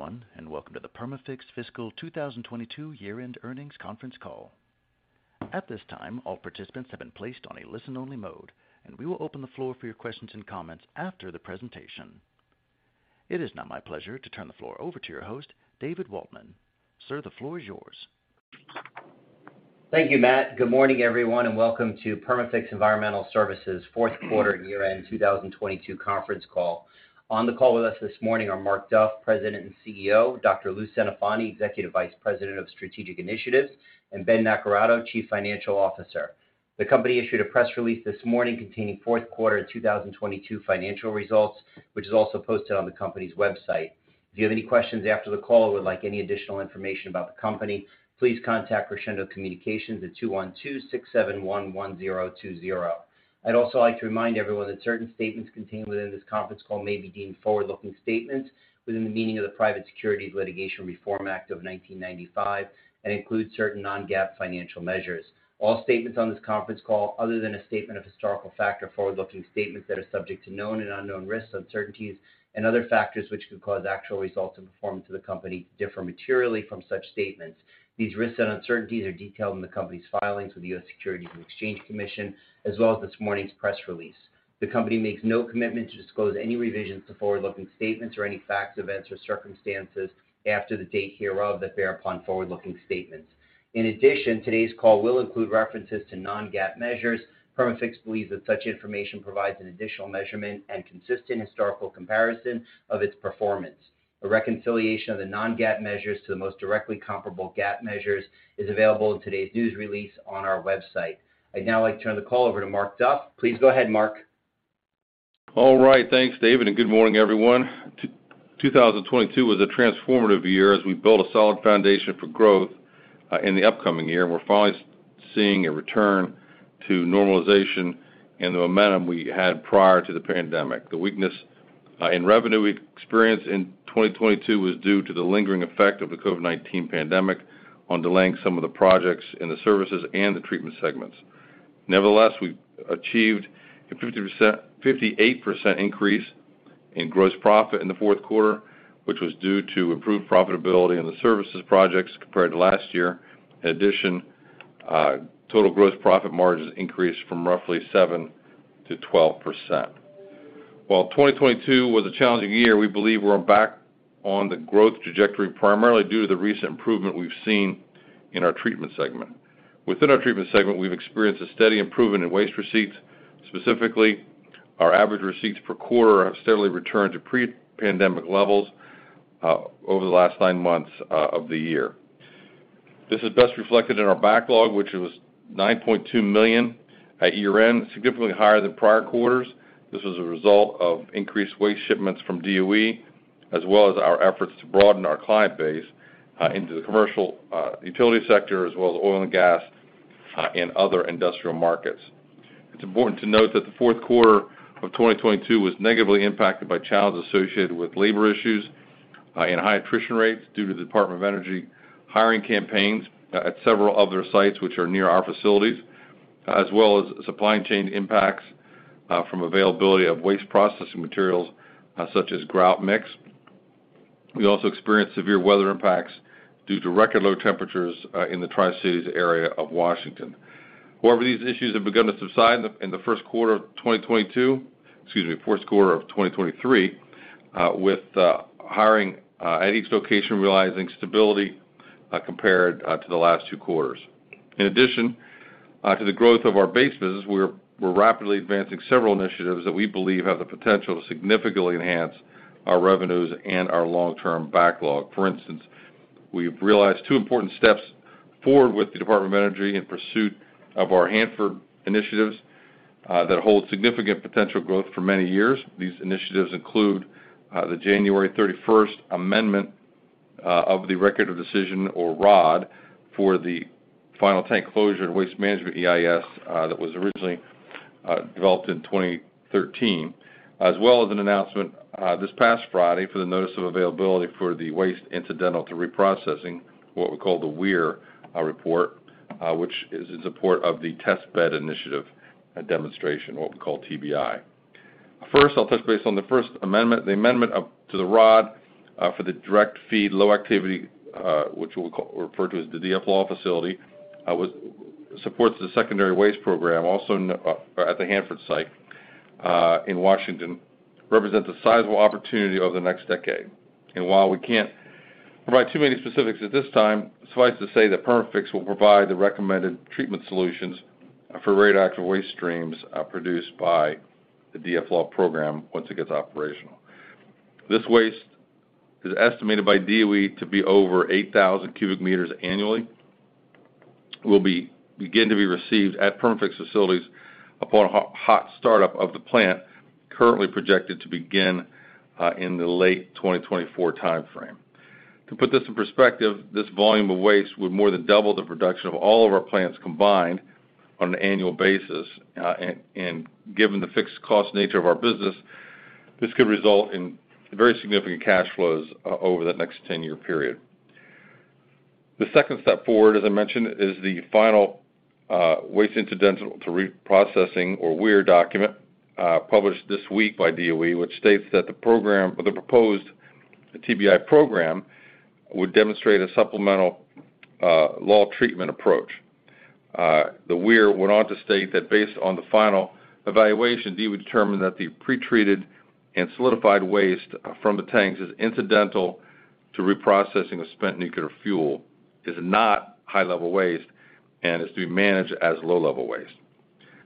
Everyone, welcome to the Perma-Fix Fiscal 2022 Year-End Earnings Conference Call. At this time, all participants have been placed on a listen-only mode. We will open the floor for your questions and comments after the presentation. It is now my pleasure to turn the floor over to your host, David Waltman. Sir, the floor is yours. Thank you, Matt. Good morning, everyone, welcome to Perma-Fix Environmental Services' fourth quarter year-end 2022 conference call. On the call with us this morning are Mark Duff, President and CEO; Dr. Lou Centofanti, Executive Vice President of Strategic Initiatives; and Ben Naccarato, Chief Financial Officer. The company issued a press release this morning containing fourth quarter 2022 financial results, which is also posted on the company's website. If you have any questions after the call or would like any additional information about the company, please contact Crescendo Communications at 212-671-1020. I'd also like to remind everyone that certain statements contained within this conference call may be deemed forward-looking statements within the meaning of the Private Securities Litigation Reform Act of 1995 and include certain non-GAAP financial measures. All statements on this conference call, other than a statement of historical fact or forward-looking statements that are subject to known and unknown risks, uncertainties and other factors which could cause actual results and performance of the company to differ materially from such statements. These risks and uncertainties are detailed in the company's filings with the U.S. Securities and Exchange Commission, as well as this morning's press release. The company makes no commitment to disclose any revisions to forward-looking statements or any facts, events or circumstances after the date hereof that bear upon forward-looking statements. In addition, today's call will include references to non-GAAP measures. Perma-Fix believes that such information provides an additional measurement and consistent historical comparison of its performance. A reconciliation of the non-GAAP measures to the most directly comparable GAAP measures is available in today's news release on our website. I'd now like to turn the call over to Mark Duff. Please go ahead, Mark. All right. Thanks, David, and good morning, everyone. 2022 was a transformative year as we built a solid foundation for growth in the upcoming year, and we're finally seeing a return to normalization and the momentum we had prior to the pandemic. The weakness in revenue we experienced in 2022 was due to the lingering effect of the COVID-19 pandemic on delaying some of the projects in the services and the treatment segments. Nevertheless, we achieved a 58% increase in gross profit in the fourth quarter, which was due to improved profitability in the services projects compared to last year. In addition, total gross profit margins increased from roughly 7% to 12%. While 2022 was a challenging year, we believe we're back on the growth trajectory, primarily due to the recent improvement we've seen in our treatment segment. Within our treatment segment, we've experienced a steady improvement in waste receipts. Specifically, our average receipts per quarter have steadily returned to pre-pandemic levels over the last nine months of the year. This is best reflected in our backlog, which was $9.2 million at year-end, significantly higher than prior quarters. This was a result of increased waste shipments from DOE, as well as our efforts to broaden our client base into the commercial utility sector, as well as oil and gas and other industrial markets. It's important to note that the fourth quarter of 2022 was negatively impacted by challenges associated with labor issues and high attrition rates due to the Department of Energy hiring campaigns at several of their sites, which are near our facilities, as well as supply chain impacts from availability of waste processing materials such as grout mix. We also experienced severe weather impacts due to record low temperatures in the Tri-Cities area of Washington. However, these issues have begun to subside in the first quarter of 2022, excuse me, fourth quarter of 2023, with hiring at each location realizing stability compared to the last two quarters. In addition, to the growth of our base business, we're rapidly advancing several initiatives that we believe have the potential to significantly enhance our revenues and our long-term backlog. For instance, we've realized two important steps forward with the Department of Energy in pursuit of our Hanford initiatives that hold significant potential growth for many years. These initiatives include the January thirty-first amendment of the Record of Decision, or ROD, for the final tank closure and waste management EIS that was originally developed in 2013, as well as an announcement this past Friday for the notice of availability for the Waste Incidental to Reprocessing, what we call the WEIR, report, which is in support of the Test Bed Initiative demonstration, what we call TBI. First, I'll touch base on the first amendment. The amendment up to the ROD for the Direct Feed Low-Activity, which we'll refer to as the DFLAW facility, supports the secondary waste program at the Hanford Site in Washington, represents a sizable opportunity over the next decade. While we can't provide too many specifics at this time, suffice to say that Perma-Fix will provide the recommended treatment solutions for radioactive waste streams produced by the DFL program once it gets operational. This waste is estimated by DOE to be over 8,000 cubic meters annually, will begin to be received at Perma-Fix facilities upon hot startup of the plant, currently projected to begin in the late 2024 timeframe. To put this in perspective, this volume of waste would more than double the production of all of our plants combined on an annual basis. Given the fixed cost nature of our business, this could result in very significant cash flows over the next 10-year period. The second step forward, as I mentioned, is the final Waste Incidental to Reprocessing, or WIR document, published this week by DOE, which states that the program or the proposed TBI program would demonstrate a supplemental LAW treatment approach. The WIR went on to state that based on the final evaluation, DOE determined that the pretreated and solidified waste from the tanks is incidental to reprocessing of spent nuclear fuel, is not high-level waste, and is to be managed as low-level waste.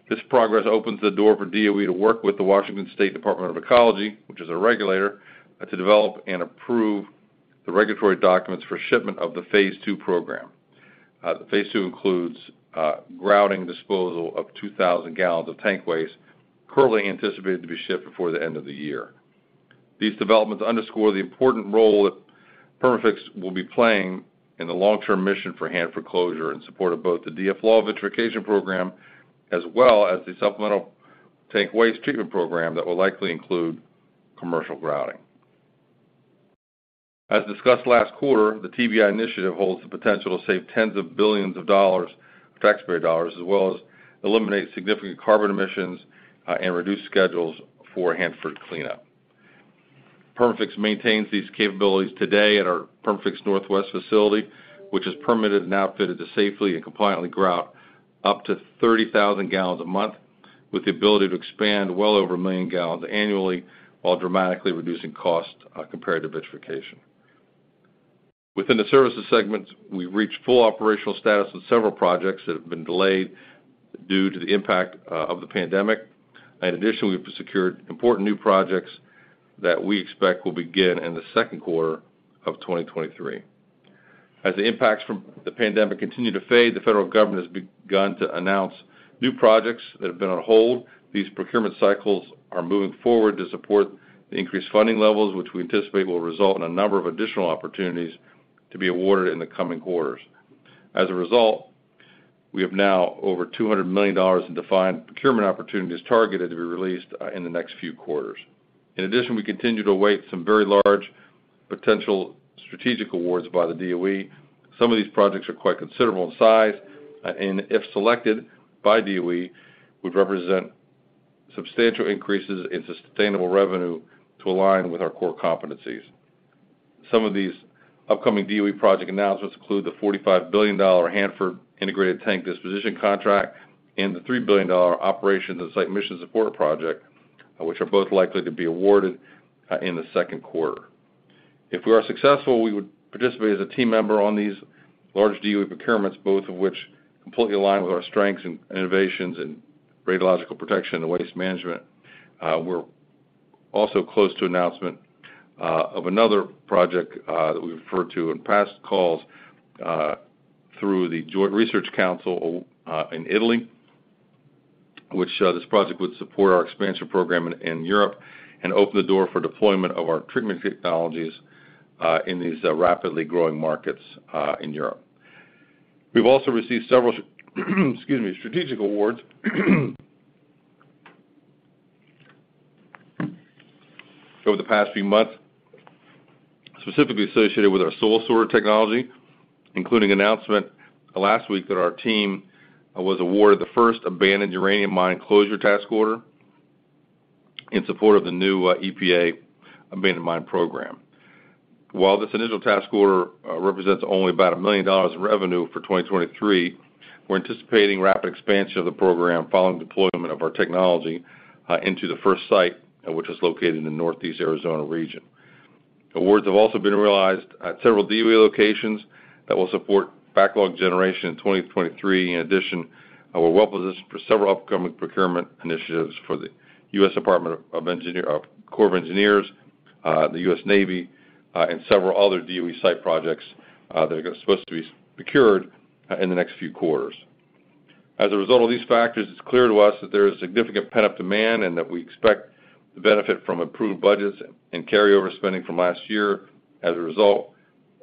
This progress opens the door for DOE to work with the Washington State Department of Ecology, which is a regulator, to develop and approve the regulatory documents for shipment of the phase II program. Phase II includes grouting disposal of 2,000 gal of tank waste currently anticipated to be shipped before the end of the year. These developments underscore the important role that Perma-Fix will be playing in the long-term mission for Hanford closure in support of both the DFL of vitrification program as well as the supplemental tank waste treatment program that will likely include commercial grouting. As discussed last quarter, the TBI initiative holds the potential to save tens of billions of taxpayer dollars, as well as eliminate significant carbon emissions and reduce schedules for Hanford cleanup. Perma-Fix maintains these capabilities today at our Perma-Fix Northwest facility, which is permitted and outfitted to safely and compliantly grout up to 30,000 gal a month, with the ability to expand well over 1 million gal annually while dramatically reducing costs compared to vitrification. Within the services segment, we've reached full operational status on several projects that have been delayed due to the impact of the pandemic. Additionally, we've secured important new projects that we expect will begin in the 2nd quarter of 2023. As the impacts from the pandemic continue to fade, the federal government has begun to announce new projects that have been on hold. These procurement cycles are moving forward to support the increased funding levels, which we anticipate will result in a number of additional opportunities to be awarded in the coming quarters. We have now over $200 million in defined procurement opportunities targeted to be released in the next few quarters. We continue to await some very large potential strategic awards by the DOE. Some of these projects are quite considerable in size, and if selected by DOE, would represent substantial increases in sustainable revenue to align with our core competencies. Some of these upcoming DOE project announcements include the $45 billion Hanford Integrated Tank Disposition Contract and the $3 billion Operations of the Site Mission Support Project, which are both likely to be awarded in the second quarter. If we are successful, we would participate as a team member on these large DOE procurements, both of which completely align with our strengths and innovations in radiological protection and waste management. We're also close to announcement of another project that we've referred to in past calls through the Joint Research Centre in Italy, which this project would support our expansion program in Europe and open the door for deployment of our treatment technologies in these rapidly growing markets in Europe. We've also received several excuse me, strategic awards over the past few months, specifically associated with our SoilSor technology, including announcement last week that our team was awarded the first abandoned uranium mine closure task order in support of the new EPA abandoned mine program. While this initial task order represents only about $1 million in revenue for 2023, we're anticipating rapid expansion of the program following deployment of our technology into the first site, which is located in the Northeast Arizona region. Awards have also been realized at several DOE locations that will support backlog generation in 2023. In addition, we're well positioned for several upcoming procurement initiatives for the U.S. Army Corps of Engineers, the U.S. Navy, and several other DOE site projects that are supposed to be secured in the next few quarters. As a result of these factors, it's clear to us that there is significant pent-up demand and that we expect the benefit from improved budgets and carryover spending from last year. As a result,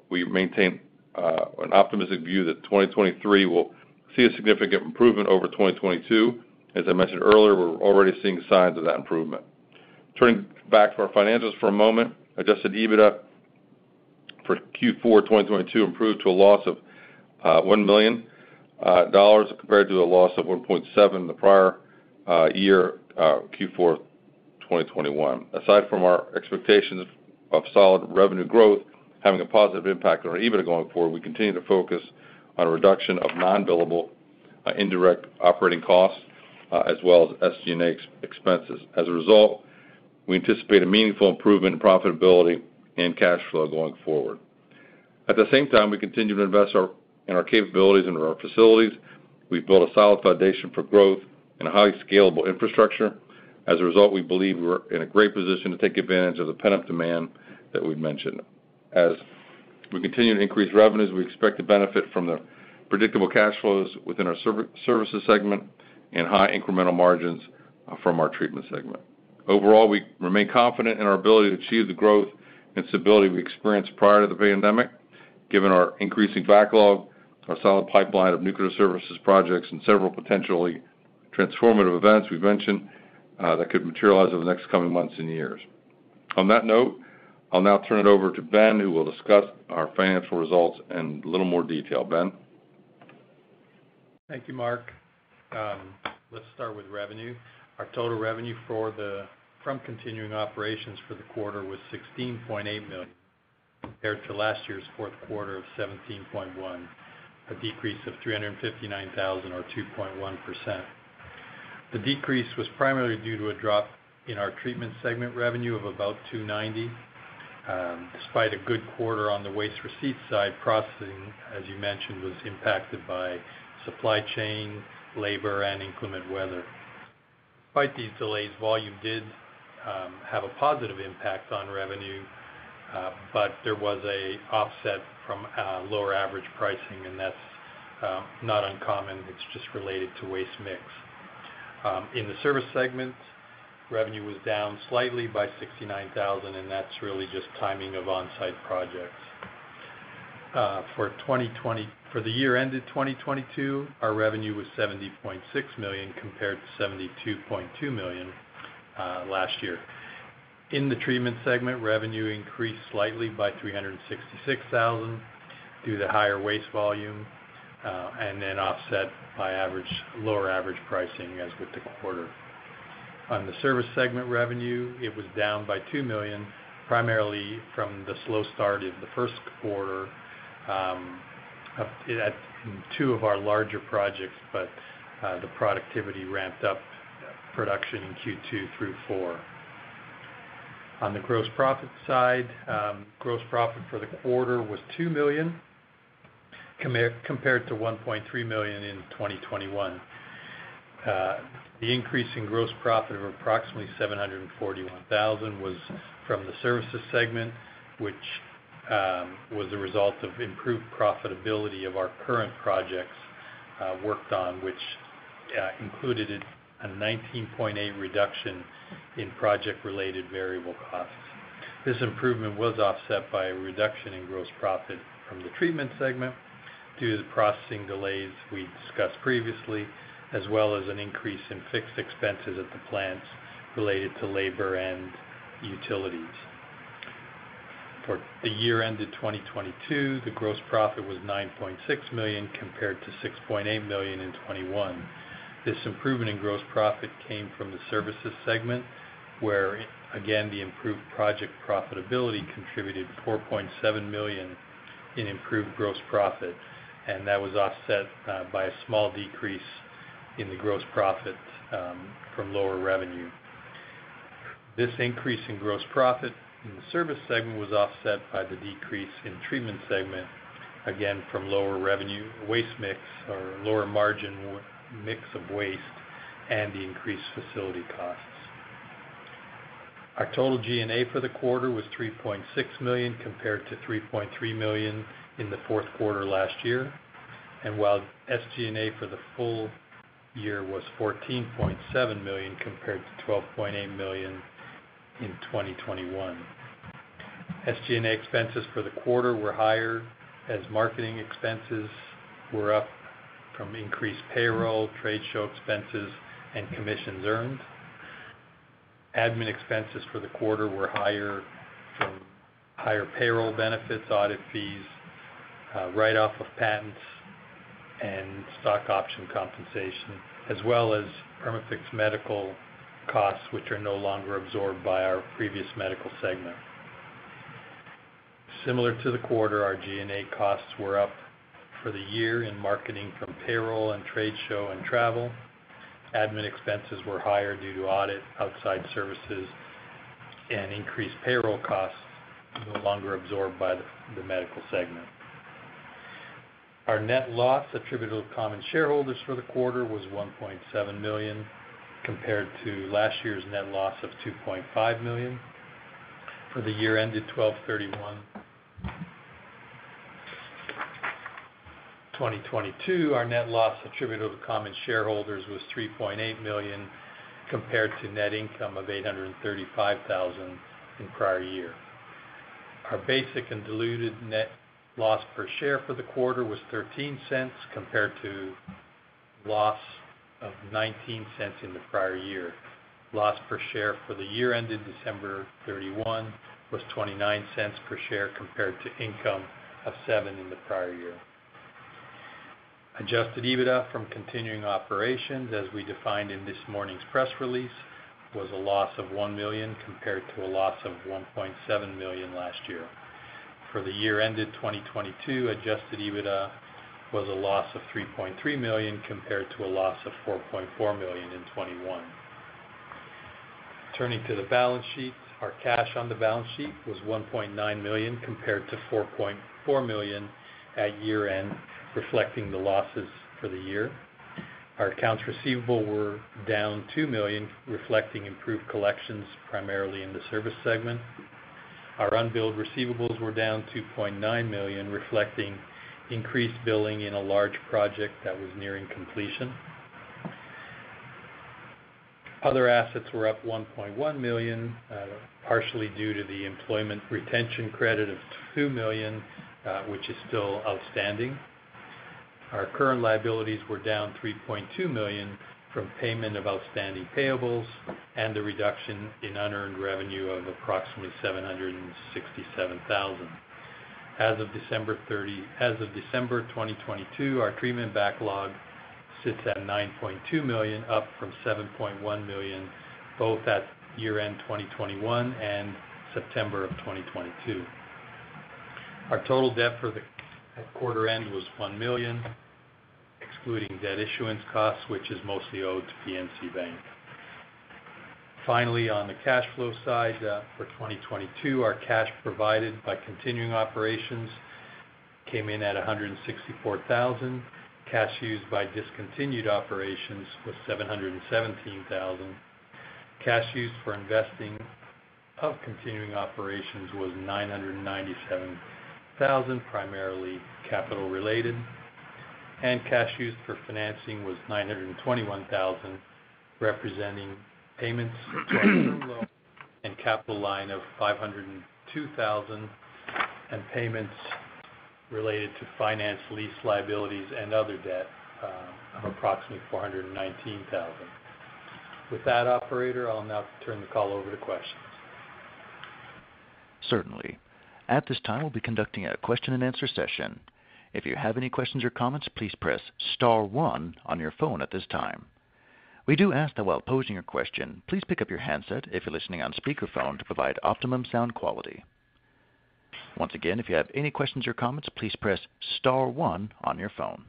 we maintain an optimistic view that 2023 will see a significant improvement over 2022. As I mentioned earlier, we're already seeing signs of that improvement. Turning back to our financials for a moment, adjusted EBITDA for Q4 2022 improved to a loss of $1 million compared to a loss of 1.7 the prior year Q4 2021. Aside from our expectations of solid revenue growth having a positive impact on our EBITDA going forward, we continue to focus on a reduction of non-billable indirect operating costs, as well as SG&A expenses. As a result, we anticipate a meaningful improvement in profitability and cash flow going forward. At the same time, we continue to invest in our capabilities and our facilities. We've built a solid foundation for growth and a highly scalable infrastructure. As a result, we believe we're in a great position to take advantage of the pent-up demand that we've mentioned. As we continue to increase revenues, we expect to benefit from the predictable cash flows within our services segment and high incremental margins from our treatment segment. Overall, we remain confident in our ability to achieve the growth and stability we experienced prior to the pandemic, given our increasing backlog, our solid pipeline of nuclear services projects, and several potentially transformative events we've mentioned that could materialize over the next coming months and years. On that note, I'll now turn it over to Ben, who will discuss our financial results in a little more detail. Ben? Thank you, Mark. Let's start with revenue. Our total revenue from continuing operations for the quarter was $16.8 million, compared to last year's fourth quarter of $17.1 million, a decrease of $359,000 or 2.1%. The decrease was primarily due to a drop in our treatment segment revenue of about $290,000. Despite a good quarter on the waste receipt side, processing, as you mentioned, was impacted by supply chain, labor, and inclement weather. Despite these delays, volume did have a positive impact on revenue, but there was a offset from lower average pricing, and that's not uncommon. It's just related to waste mix. In the service segment, revenue was down slightly by $69,000, and that's really just timing of on-site projects. For the year ended 2022, our revenue was $70.6 million compared to $72.2 million last year. In the treatment segment, revenue increased slightly by $366,000 due to higher waste volume, offset by lower average pricing as with the quarter. On the service segment revenue, it was down by $2 million, primarily from the slow start in the first quarter of two of our larger projects, the productivity ramped up production in Q2 through Q4. On the gross profit side, gross profit for the quarter was $2 million compared to $1.3 million in 2021. The increase in gross profit of approximately $741,000 was from the services segment, which was a result of improved profitability of our current projects worked on, which included a 19.8% reduction in project-related variable costs. This improvement was offset by a reduction in gross profit from the treatment segment due to the processing delays we discussed previously, as well as an increase in fixed expenses at the plants related to labor and utilities. For the year ended 2022, the gross profit was $9.6 million compared to $6.8 million in 2021. This improvement in gross profit came from the services segment, where, again, the improved project profitability contributed $4.7 million in improved gross profit, and that was offset by a small decrease in the gross profit from lower revenue. This increase in gross profit in the service segment was offset by the decrease in treatment segment, again, from lower revenue waste mix or lower margin w-mix of waste and the increased facility costs. Our total G&A for the quarter was $3.6 million compared to $3.3 million in the fourth quarter last year. While SG&A for the full year was $14.7 million compared to $12.8 million in 2021. SG&A expenses for the quarter were higher as marketing expenses were up from increased payroll, trade show expenses and commissions earned. Admin expenses for the quarter were higher from higher payroll benefits, audit fees, write-off of patents and stock option compensation, as well as Perma-Fix medical costs, which are no longer absorbed by our previous medical segment. Similar to the quarter, our G&A costs were up for the year in marketing from payroll and trade show and travel. Admin expenses were higher due to audit, outside services and increased payroll costs no longer absorbed by the medical segment. Our net loss attributable to common shareholders for the quarter was $1.7 million, compared to last year's net loss of $2.5 million. For the year ended December 31, 2022, our net loss attributable to common shareholders was $3.8 million, compared to net income of $835,000 in prior year. Our basic and diluted net loss per share for the quarter was $0.13 compared to loss of $0.19 in the prior year. Loss per share for the year ended December 31 was $0.29 per share compared to income of $0.07 in the prior year. Adjusted EBITDA from continuing operations, as we defined in this morning's press release, was a loss of $1 million compared to a loss of $1.7 million last year. For the year ended 2022, adjusted EBITDA was a loss of $3.3 million compared to a loss of $4.4 million in 2021. Turning to the balance sheet, our cash on the balance sheet was $1.9 million compared to $4.4 million at year-end, reflecting the losses for the year. Our accounts receivable were down $2 million, reflecting improved collections primarily in the service segment. Our unbilled receivables were down $2.9 million, reflecting increased billing in a large project that was nearing completion. Other assets were up $1.1 million, partially due to the Employee Retention Credit of $2 million, which is still outstanding. Our current liabilities were down $3.2 million from payment of outstanding payables and the reduction in unearned revenue of approximately $767,000. As of December 2022, our treatment backlog sits at $9.2 million, up from $7.1 million, both at year-end 2021 and September of 2022. Our total debt for the quarter end was $1 million, excluding debt issuance costs, which is mostly owed to PNC Bank. Finally, on the cash flow side, for 2022, our cash provided by continuing operations came in at $164,000. Cash used by discontinued operations was $717,000. Cash used for investing of continuing operations was $997,000, primarily capital related. Cash used for financing was $921,000, representing payments to our term loan and capital line of $502,000, and payments related to finance lease liabilities and other debt, of approximately $419,000. With that, operator, I'll now turn the call over to questions. Certainly. At this time, we'll be conducting a question and answer session. If you have any questions or comments, please press star one on your phone at this time. We do ask that while posing your question, please pick up your handset if you're listening on speaker phone to provide optimum sound quality. Once again, if you have any questions or comments, please press star one on your phone.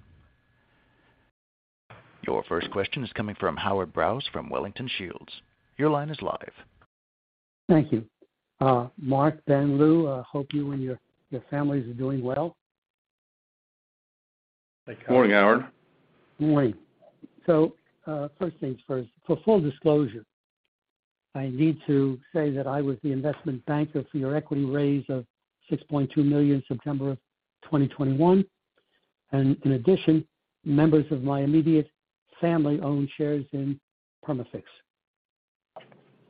Your first question is coming from Howard Brous from Wellington Shields. Your line is live. Thank you. Mark, Ben, Lou, I hope you and your families are doing well. Hey, Howard. Morning, Howard. Morning. First things first, for full disclosure, I need to say that I was the investment banker for your equity raise of $6.2 million, September 2021. In addition, members of my immediate family own shares in Perma-Fix.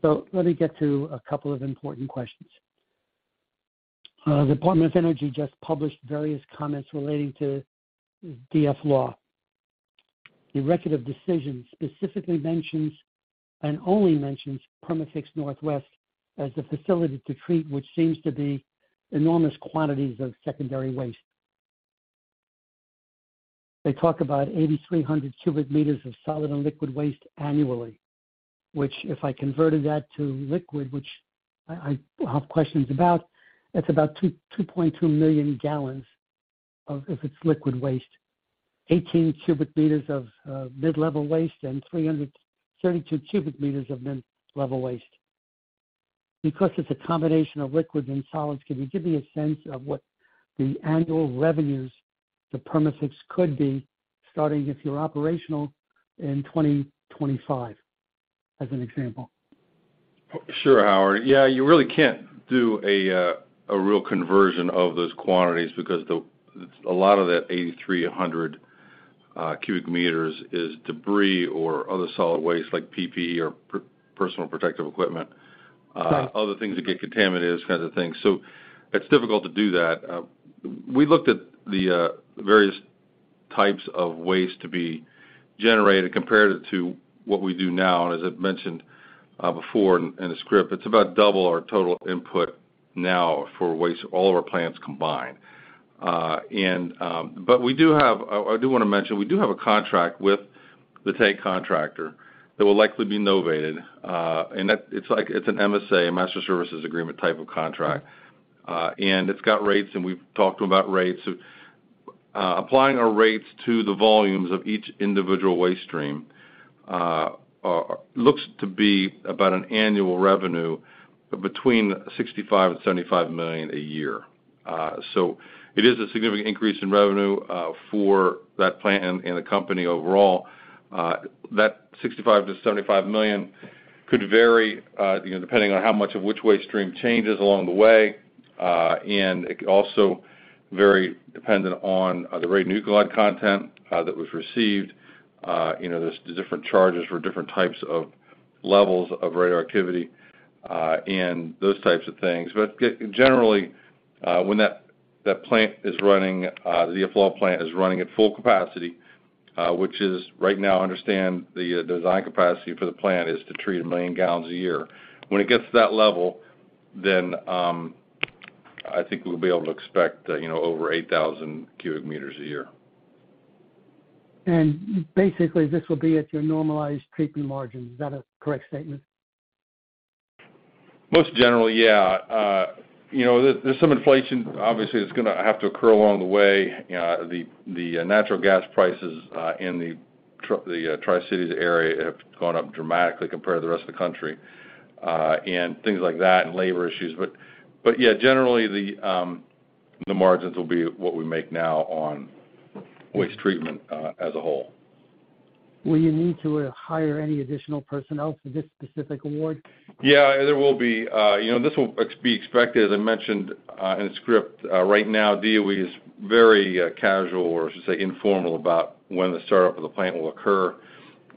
Let me get to a couple of important questions. The Department of Energy just published various comments relating to DFLAW. The Record of Decision specifically mentions, and only mentions, Perma-Fix Northwest as the facility to treat which seems to be enormous quantities of secondary waste. They talk about 8,300 cubic meters of solid and liquid waste annually, which if I converted that to liquid, which I have questions about, that's about 2.2 million gal of, if it's liquid waste. 18 cubic meters of mid-level waste and 332 cubic meters of mid-level waste. Because it's a combination of liquids and solids, can you give me a sense of what the annual revenues to Perma-Fix could be starting if you're operational in 2025, as an example? Sure, Howard. Yeah, you really can't do a real conversion of those quantities because a lot of that 8,300 cubic meters is debris or other solid waste like PPE or personal protective equipment. Right Other things that get contaminated, those kinds of things. It's difficult to do that. We looked at the various types of waste to be generated, compared it to what we do now. As I've mentioned before in the script, it's about double our total input now for waste, all of our plants combined. We do have. I do want to mention, we do have a contract with the tank contractor that will likely be novated, and that it's like it's an MSA, a master services agreement type of contract. It's got rates, and we've talked about rates. Applying our rates to the volumes of each individual waste stream, looks to be about an annual revenue between $65 million-$75 million a year. It is a significant increase in revenue for that plant and the company overall. That $65 million-$75 million could vary, you know, depending on how much of which waste stream changes along the way. It also very dependent on the radionuclide content that was received. You know, there's the different charges for different types of levels of rate activity and those types of things. Generally, when that plant is running, the effluent plant is running at full capacity, which is right now, understand the design capacity for the plant is to treat 1 million gal a year. When it gets to that level, I think we'll be able to expect, you know, over 8,000 cubic meters a year. Basically, this will be at your normalized treatment margin. Is that a correct statement? Most generally, yeah. You know, there's some inflation obviously that's gonna have to occur along the way. The, the natural gas prices in the Tri-Cities area have gone up dramatically compared to the rest of the country, and things like that and labor issues. Yeah, generally, the margins will be what we make now on waste treatment, as a whole. Will you need to hire any additional personnel for this specific award? Yeah. There will be. you know, this will be expected, as I mentioned, in the script. Right now, DOE is very casual or I should say informal about when the startup of the plant will occur.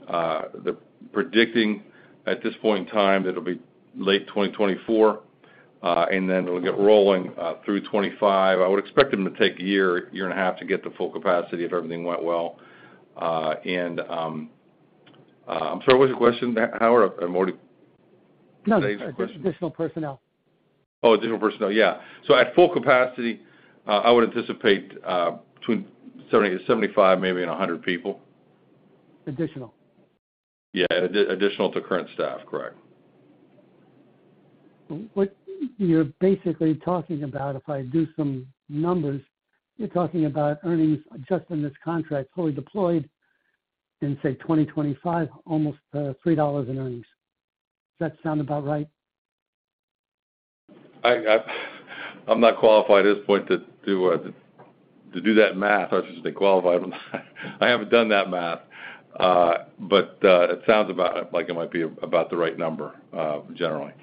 The predicting at this point in time, that'll be late 2024. Then it'll get rolling through 2025. I would expect them to take a year and a half to get to full capacity if everything went well. I'm sorry, what was your question, Howard? I'm already... No. Today's question. Additional personnel. ...additional personnel. Yeah. At full capacity, I would anticipate, between 70-75 maybe and 100 people. Additional? Yeah. Additional to current staff, correct? What you're basically talking about, if I do some numbers, you're talking about earnings just in this contract fully deployed in, say, 2025, almost, $3 in earnings. Does that sound about right? I'm not qualified at this point to do that math, not that I should be qualified. I haven't done that math. It sounds about like it might be about the right number, generally.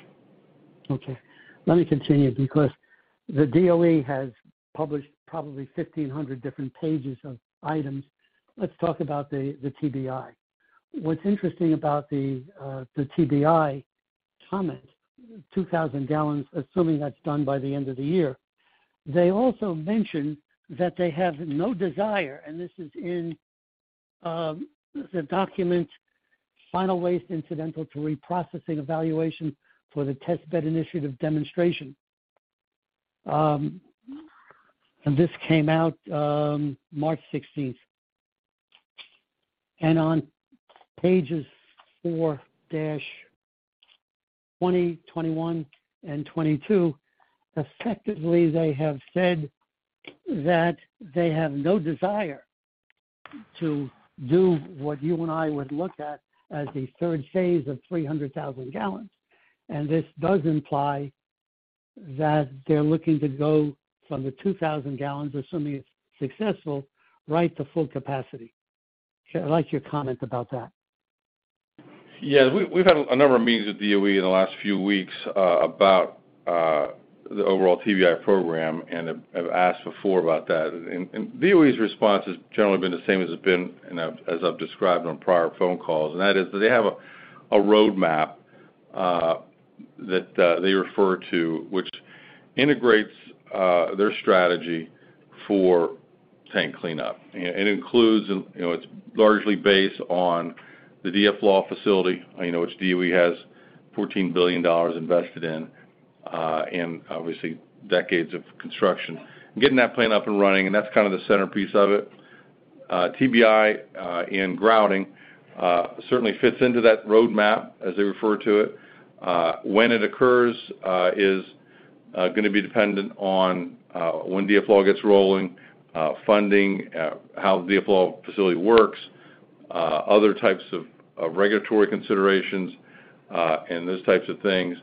Okay. Let me continue because the DOE has published probably 1,500 different pages of items. Let's talk about the TBI. What's interesting about the TBI comment, 2,000 gal, assuming that's done by the end of the year, they also mentioned that they have no desire, and this is in the document Waste Incidental to Reprocessing Evaluation for the Test Bed Initiative Demonstration. This came out March sixteenth. On pages four to 20, 21, and 22, effectively, they have said that they have no desire to do what you and I would look at as the third phase of 300,000 gal. This does imply that they're looking to go from the 2,000 gal, assuming it's successful, right to full capacity. I'd like your comment about that. We've had a number of meetings with DOE in the last few weeks about the overall TBI program and have asked before about that. DOE's response has generally been the same as have been and as I've described on prior phone calls, and that is that they have a road map that they refer to which integrates their strategy for tank cleanup. Includes, you know, it's largely based on the DFLAW facility, you know, which DOE has $14 billion invested in and obviously decades of construction. Getting that plant up and running, and that's kind of the centerpiece of it. TBI and grouting certainly fits into that road map, as they refer to it. When it occurs, is gonna be dependent on when DFLAW gets rolling, funding, how the DFLAW facility works, other types of regulatory considerations, and those types of things.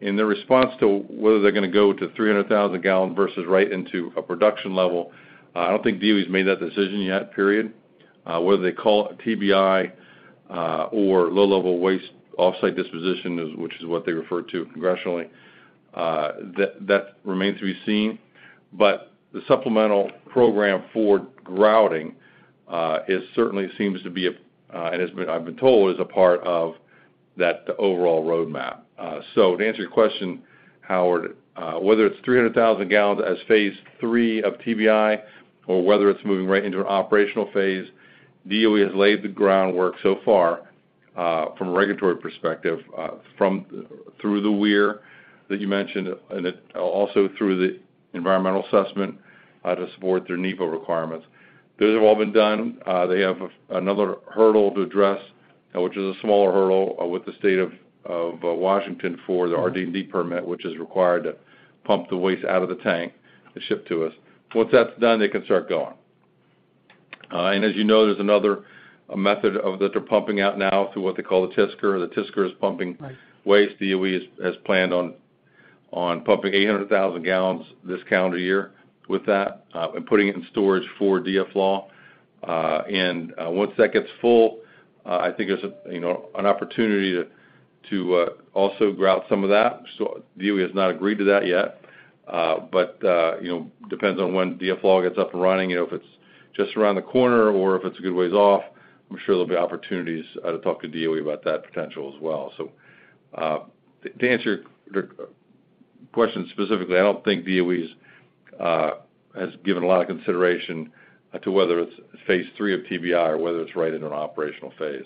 In their response to whether they're gonna go to 300,000 gal versus right into a production level, I don't think DOE's made that decision yet. Whether they call it TBI or low-level waste off-site disposition, which is what they refer to congressionally, that remains to be seen. The supplemental program for grouting is certainly seems to be and I've been told is a part of that overall road map. To answer your question, Howard, whether it's 300,000 gal as phase III of TBI or whether it's moving right into an operational phase, DOE has laid the groundwork so far from a regulatory perspective through the WEIR that you mentioned, and also through the environmental assessment to support their NEPA requirements. Those have all been done. They have another hurdle to address, which is a smaller hurdle, with the state of Washington for their RD&D permit, which is required to pump the waste out of the tank to ship to us. Once that's done, they can start going. As you know, there's another method of that they're pumping out now through what they call the TISCR. The TISCR is pumping. Right. -waste. DOE has planned on pumping 800,000 gal this calendar year with that, and putting it in storage for DFLAW. Once that gets full, I think there's, you know, an opportunity to also grout some of that. DOE has not agreed to that yet, but, you know, depends on when DFLAW gets up and running. You know, if it's just around the corner or if it's a good ways off, I'm sure there'll be opportunities to talk to DOE about that potential as well. To answer your question specifically, I don't think DOE's has given a lot of consideration to whether it's phase III of TBI or whether it's right in an operational phase.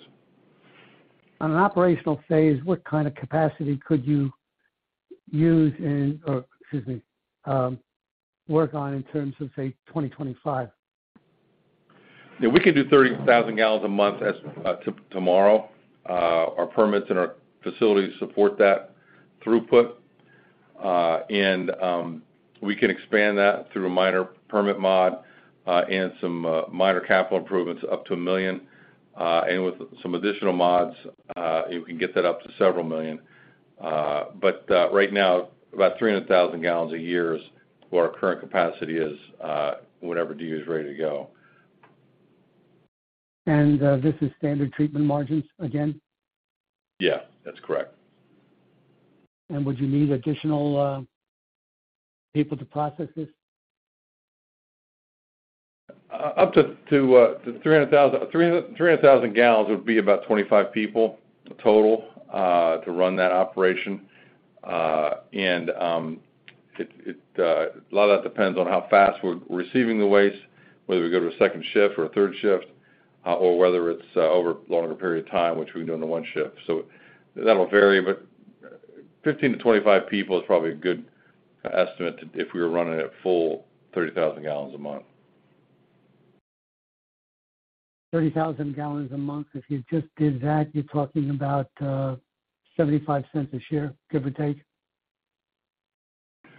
On an operational phase, what kind of capacity could you use or excuse me, work on in terms of, say, 2025? Yeah, we could do 30,000 gal a month tomorrow. Our permits and our facilities support that throughput. We can expand that through a minor permit mod and some minor capital improvements up to 1 million. With some additional mods, you can get that up to several million. Right now, about 300,000 gal a year is what our current capacity is whenever DOE is ready to go. This is standard treatment margins again? Yeah. That's correct. Would you need additional people to process this? Up to 300,000 gal would be about 25 people total to run that operation. A lot of that depends on how fast we're receiving the waste, whether we go to a second shift or a third shift or whether it's over a longer period of time, which we can do on the one shift. That'll vary, but 15 to 25 people is probably a good estimate if we were running at full 30,000 gal a month. 30,000 gal a month. If you just did that, you're talking about $0.75 a share, give or take.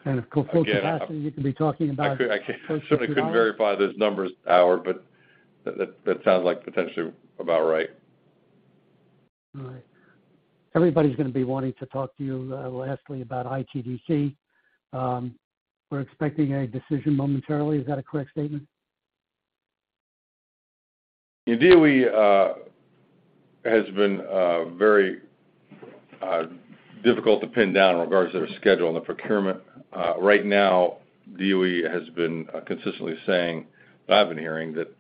Of course, full capacity, you can be talking about close to $1.00. I certainly couldn't verify those numbers, Howard, but that sounds like potentially about right. All right. Everybody's gonna be wanting to talk to you, lastly about ITDC. We're expecting a decision momentarily. Is that a correct statement? DOE has been very difficult to pin down in regards to their schedule and the procurement. Right now, DOE has been consistently saying, I've been hearing, that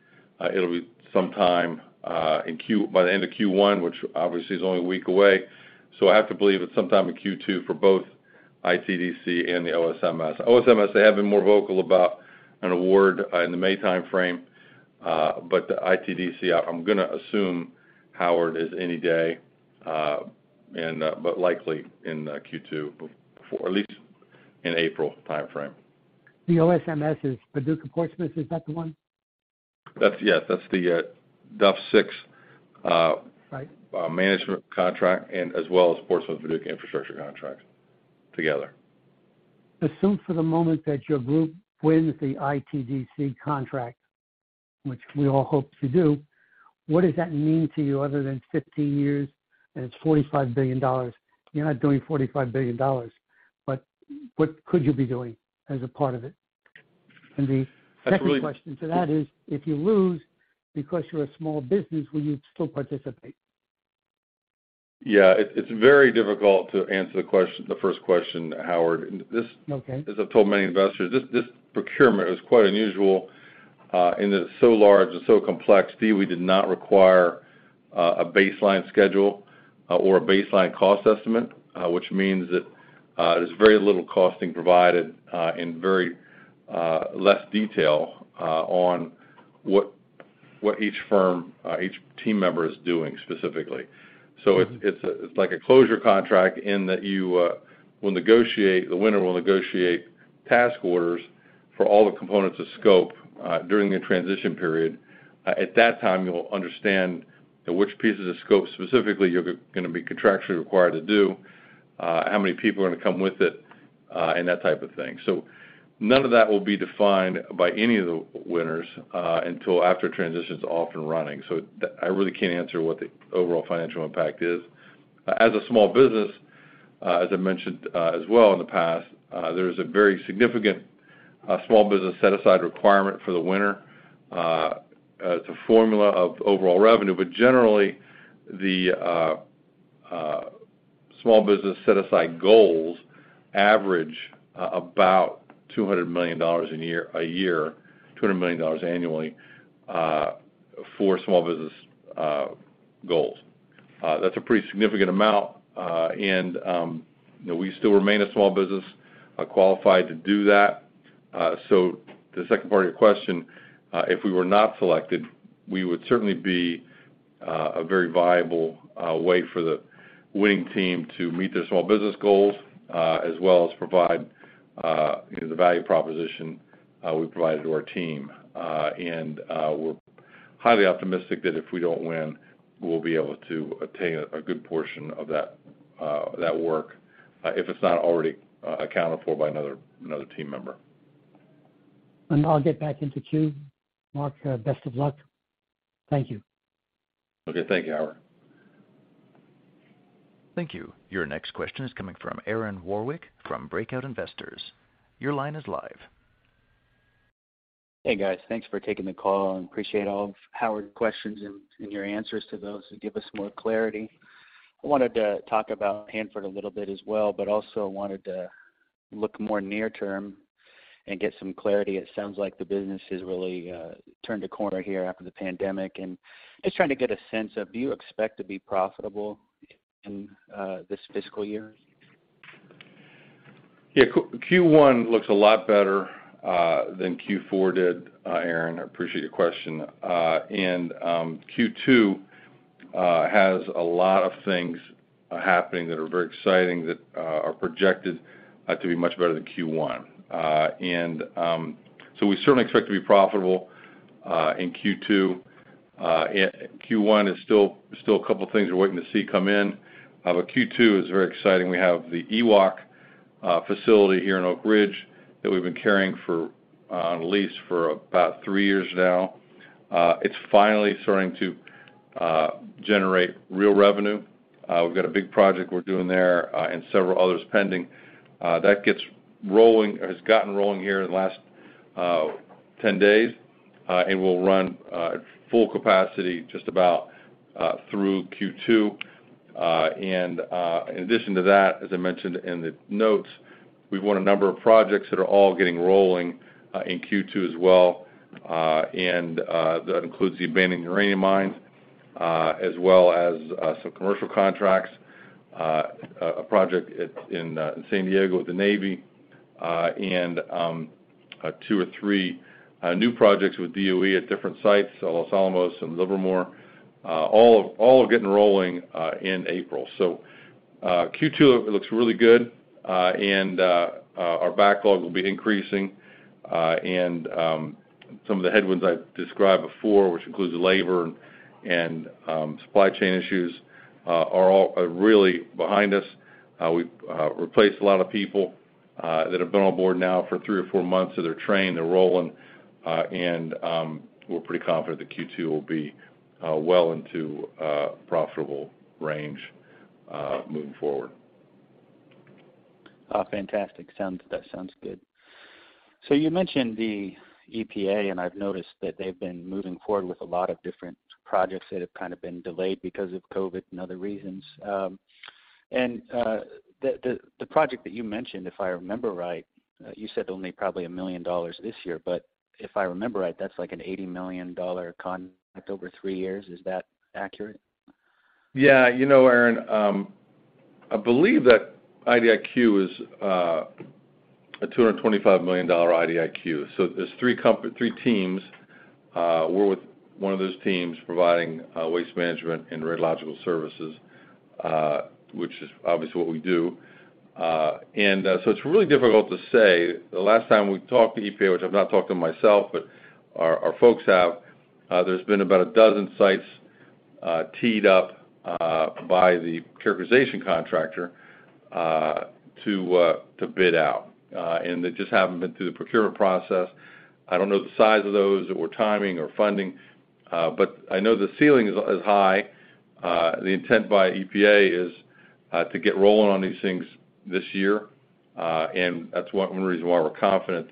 it'll be sometime by the end of Q1, which obviously is only a week away. I have to believe it's sometime in Q2 for both ITDC and the OSMS. OSMS, they have been more vocal about an award in the May timeframe, but the ITDC, I'm gonna assume, Howard, is any day, but likely in Q2 before, at least in April timeframe. The OSMS is Paducah Portsmouth. Is that the one? That's... Yes, that's the DUF6- Right -management contract and as well as Portsmouth Paducah infrastructure contract together. Assume for the moment that your group wins the ITDC contract, which we all hope to do. What does that mean to you other than 15 years and it's $45 billion? You're not doing $45 billion, what could you be doing as a part of it? The second question to that is, if you lose because you're a small business, will you still participate? Yeah. It's very difficult to answer the first question, Howard. Okay As I've told many investors, this procurement is quite unusual in that it's so large and so complex. DOE did not require a baseline schedule or a baseline cost estimate, which means that there's very little costing provided and very less detail on what each firm, each team member is doing specifically. It's like a closure contract in that the winner will negotiate task orders for all the components of scope during the transition period. At that time, you'll understand that which pieces of scope specifically you're gonna be contractually required to do, how many people are gonna come with it, and that type of thing. None of that will be defined by any of the winners until after transition's off and running. I really can't answer what the overall financial impact is. As a small business, as I mentioned, as well in the past, there's a very significant small business set-aside requirement for the winner. It's a formula of overall revenue. Generally, the small business set-aside goals average about $200 million a year, $200 million annually, for small business goals. That's a pretty significant amount. You know, we still remain a small business qualified to do that. The second part of your question, if we were not selected, we would certainly be a very viable way for the winning team to meet their small business goals, as well as provide the value proposition we provided to our team. We're highly optimistic that if we don't win, we'll be able to obtain a good portion of that work, if it's not already, accounted for by another team member. I'll get back into queue. Mark, best of luck. Thank you. Okay. Thank you, Howard. Thank you. Your next question is coming from Aaron Warwick from Breakout Investors. Your line is live. Hey, guys. Thanks for taking the call, and appreciate all of Howard's questions and your answers to those to give us more clarity. I wanted to talk about Hanford a little bit as well, but also wanted to look more near term and get some clarity. It sounds like the business has really turned a corner here after the pandemic. Just trying to get a sense of, do you expect to be profitable in this fiscal year? Yeah. Q1 looks a lot better than Q4 did, Aaron. I appreciate your question. Q2 has a lot of things happening that are very exciting that are projected to be much better than Q1. We certainly expect to be profitable in Q2. Q1 is still a couple of things we're waiting to see come in. Q2 is very exciting. We have the EWOC facility here in Oak Ridge that we've been carrying for on lease for about three years now. It's finally starting to generate real revenue. We've got a big project we're doing there and several others pending. That gets rolling or has gotten rolling here in the last 10 days and will run at full capacity just about through Q2. In addition to that, as I mentioned in the notes, we've won a number of projects that are all getting rolling in Q2 as well. That includes the abandoned uranium mines, as well as some commercial contracts, a project in San Diego with the Navy, and two or three new projects with DOE at different sites, so Los Alamos and Livermore, all are getting rolling in April. Q2 looks really good. Our backlog will be increasing. Some of the headwinds I described before, which includes the labor and supply chain issues, are really behind us. We've replaced a lot of people that have been on board now for three or four months, so they're trained, they're rolling. We're pretty confident that Q2 will be well into profitable range moving forward. Oh, fantastic. That sounds good. You mentioned the EPA, and I've noticed that they've been moving forward with a lot of different projects that have kind of been delayed because of COVID and other reasons. The project that you mentioned, if I remember right, you said it'll make probably $1 million this year, but if I remember right, that's like an $80 million contract over three years. Is that accurate? Yeah. You know, Aaron, I believe that IDIQ is a $225 million IDIQ. There's three teams. We're with one of those teams providing waste management and radiological services, which is obviously what we do. It's really difficult to say. The last time we talked to EPA, which I've not talked to them myself, but our folks have, there's been about 12 sites teed up by the characterization contractor to bid out. They just haven't been through the procurement process. I don't know the size of those or timing or funding, but I know the ceiling is high. is to get rolling on these things this year, and that's one reason why we're confident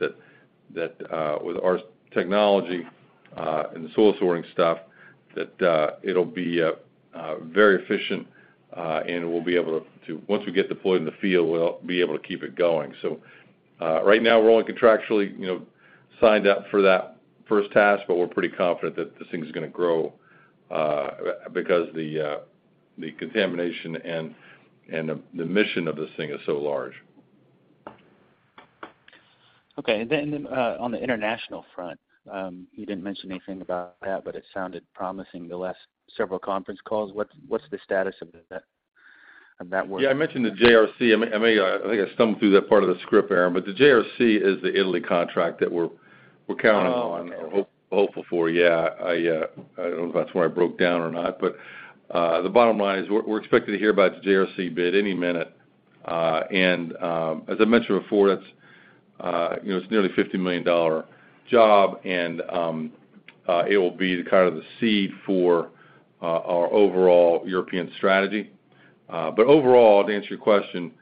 that with our technology and the SoilSor stuff, that it'll be very efficient, and we'll be able to once we get deployed in the field, we'll be able to keep it going. Right now we're only contractually, you know, signed up for that first task, but we're pretty confident that this thing's gonna grow because the contamination and the mission of this thing is so large Okay. On the international front, you didn't mention anything about that, but it sounded promising the last several conference calls. What's the status of that work? Yeah. I mentioned the JRC. I may I think I stumbled through that part of the script, Aaron. The JRC is the Italy contract that we're counting on- Oh, okay. -or hopeful for. Yeah. I don't know if that's where I broke down or not. The bottom line is we're expected to hear about the JRC bid any minute. As I mentioned before, that's, you know, it's nearly a $50 million job, and it will be kind of the seed for our overall European strategy. Overall, to answer your question,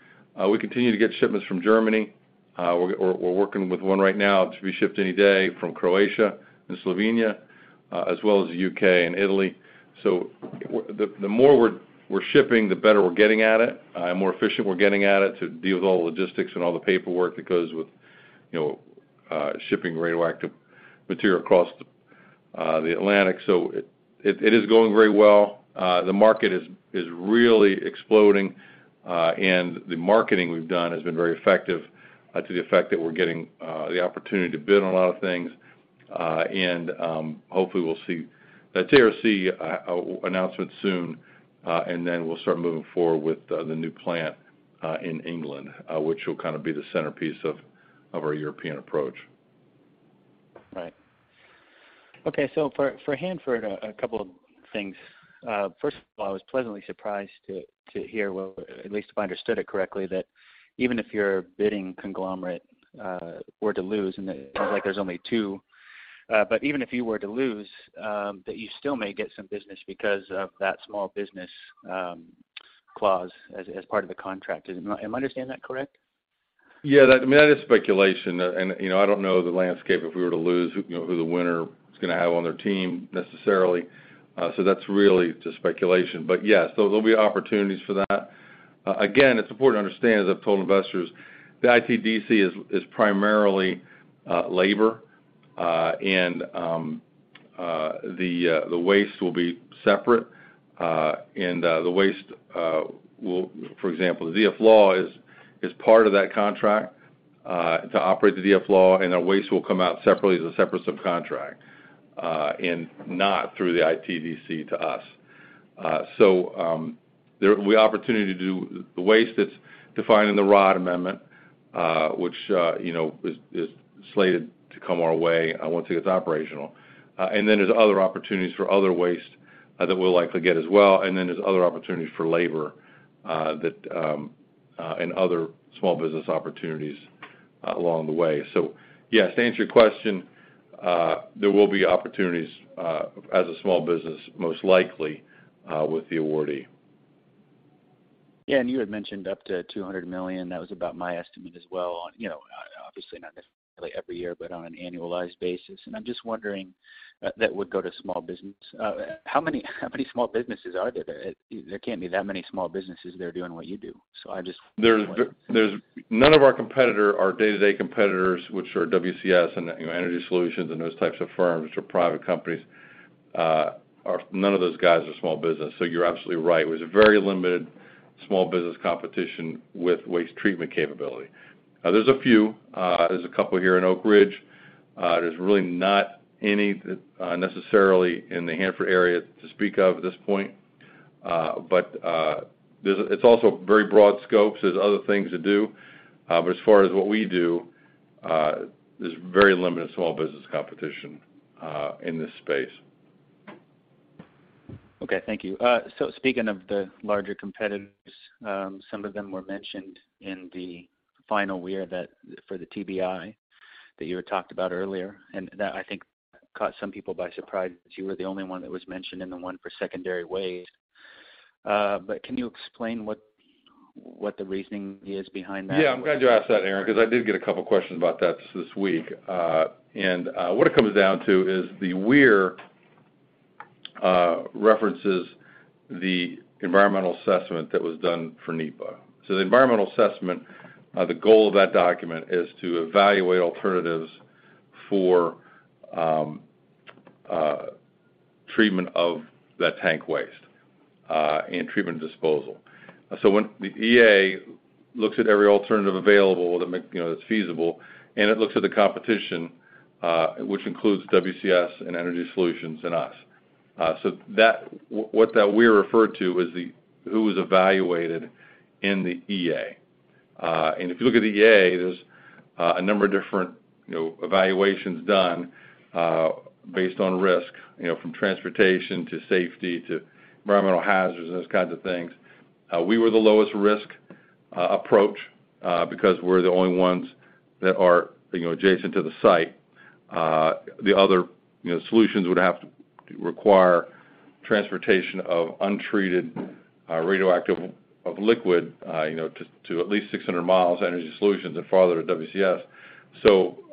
we continue to get shipments from Germany. We're working with one right now to be shipped any day from Croatia and Slovenia, as well as the U.K. and Italy. The more we're shipping, the better we're getting at it and more efficient we're getting at it to deal with all the logistics and all the paperwork that goes with, you know, shipping radioactive material across the Atlantic. It is going very well. The market is really exploding. The marketing we've done has been very effective to the effect that we're getting the opportunity to bid on a lot of things. Hopefully we'll see that JRC announcement soon and then we'll start moving forward with the new plant in England, which will kind of be the centerpiece of our European approach. Right. Okay. For Hanford, a couple of things. First of all, I was pleasantly surprised to hear, well, at least if I understood it correctly, that even if your bidding conglomerate were to lose, and it sounds like there's only two, but even if you were to lose, that you still may get some business because of that small business clause as part of the contract. Am I understanding that correct? Yeah. That, I mean, that is speculation. You know, I don't know the landscape, if we were to lose, you know, who the winner is gonna have on their team necessarily. That's really just speculation. Yes, there'll be opportunities for that. Again, it's important to understand, as I've told investors, the ITDC is primarily labor. The waste will be separate. The waste. For example, the DFLAW is part of that contract to operate the DFLAW, and our waste will come out separately as a separate subcontract and not through the ITDC to us. There will be opportunity to do the waste that's defined in the ROD Amendment, which, you know, is slated to come our way once it gets operational. There's other opportunities for other waste, that we'll likely get as well, there's other opportunities for labor, that, and other small business opportunities along the way. Yes, to answer your question, there will be opportunities as a small business, most likely, with the awardee. Yeah. You had mentioned up to $200 million. That was about my estimate as well on, you know, obviously not necessarily every year, but on an annualized basis. I'm just wondering, that would go to small business. How many small businesses are there? There can't be that many small businesses there doing what you do. I just. None of our competitor, our day-to-day competitors, which are WCS and, you know, EnergySolutions and those types of firms or private companies, none of those guys are small business. You're absolutely right. It was a very limited small business competition with waste treatment capability. There's a few. There's a couple here in Oak Ridge. There's really not any necessarily in the Hanford area to speak of at this point. But it's also very broad scopes. There's other things to do. But as far as what we do, there's very limited small business competition in this space. Okay, thank you. Speaking of the larger competitors, some of them were mentioned in the final year for the TBI that you had talked about earlier, and that I think caught some people by surprise, that you were the only one that was mentioned in the one for secondary waste. Can you explain what the reasoning is behind that? Yeah, I'm glad you asked that, Aaron, because I did get a couple questions about that this week. What it comes down to is the WEIR references the environmental assessment that was done for NEPA. The environmental assessment, the goal of that document is to evaluate alternatives for treatment of that tank waste and treatment disposal. When the EA looks at every alternative available that, you know, that's feasible, and it looks at the competition, which includes WCS and EnergySolutions and us. What that WEIR referred to was who was evaluated in the EA. If you look at the EA, there's a number of different, you know, evaluations done based on risk, you know, from transportation to safety to environmental hazards and those kinds of things. We were the lowest risk approach because we're the only ones that are, you know, adjacent to the site. The other, you know, solutions would have to require transportation of untreated radioactive liquid, you know, to at least 600 miles EnergySolutions and farther to WCS.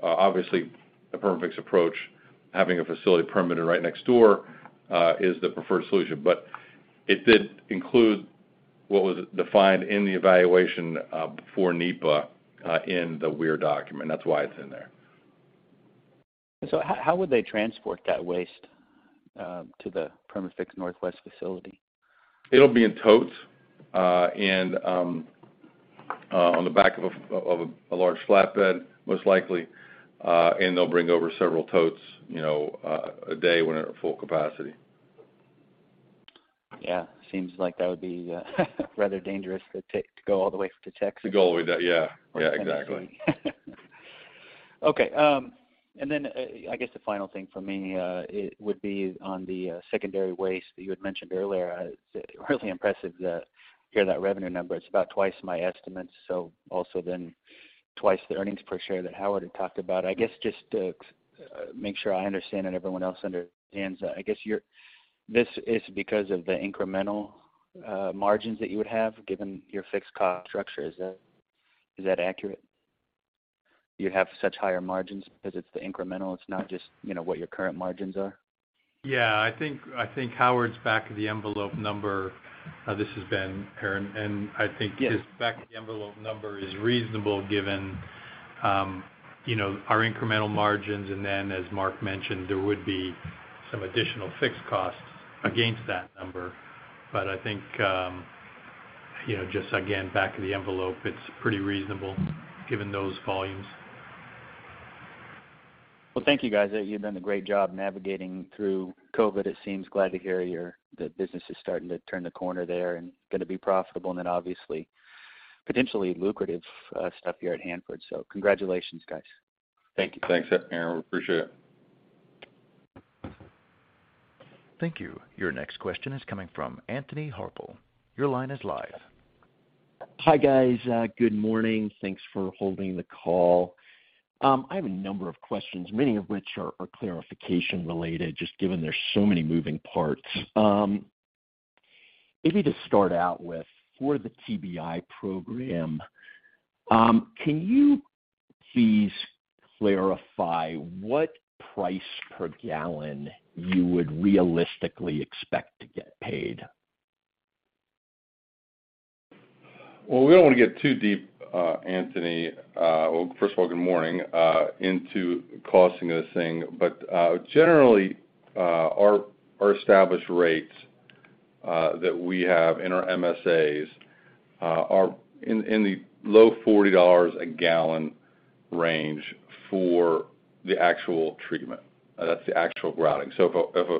Obviously, the Perma-Fix approach, having a facility permitted right next door, is the preferred solution. It did include what was defined in the evaluation for NEPA in the WEIR document. That's why it's in there. How would they transport that waste to the Perma-Fix Northwest facility? It'll be in totes, and on the back of a large flatbed, most likely, and they'll bring over several totes, you know, a day when they're at full capacity. Yeah. Seems like that would be rather dangerous to go all the way to Texas. To go with that. Yeah. Yeah, exactly. Okay, I guess the final thing for me, it would be on the secondary waste that you had mentioned earlier. It's really impressive to hear that revenue number. It's about twice my estimate, so also then twice the earnings per share that Howard had talked about. I guess just to make sure I understand and everyone else understands, I guess this is because of the incremental margins that you would have, given your fixed cost structure. Is that accurate? You'd have such higher margins because it's the incremental, it's not just, you know, what your current margins are? Yeah. I think Howard's back of the envelope number, and I think his back of the envelope number is reasonable given, you know, our incremental margins. Then as Mark mentioned, there would be some additional fixed costs against that number. I think, you know, just again, back of the envelope, it's pretty reasonable given those volumes. Well, thank you guys. You've done a great job navigating through COVID, it seems. Glad to hear that business is starting to turn the corner there and gonna be profitable and then obviously potentially lucrative stuff here at Hanford. Congratulations, guys. Thank you. Thanks, Aaron. We appreciate it. Thank you. Your next question is coming from Anthony Harpel. Your line is live. Hi, guys. Good morning. Thanks for holding the call. I have a number of questions, many of which are clarification related, just given there's so many moving parts. Maybe to start out with, for the TBI program, can you please clarify what price per gallon you would realistically expect to get paid? Well, we don't wanna get too deep, Anthony, well, first of all, good morning, into costing of this thing. Generally, our established rates that we have in our MSAs are in the low $40 a gallon range for the actual treatment. That's the actual grouting. If a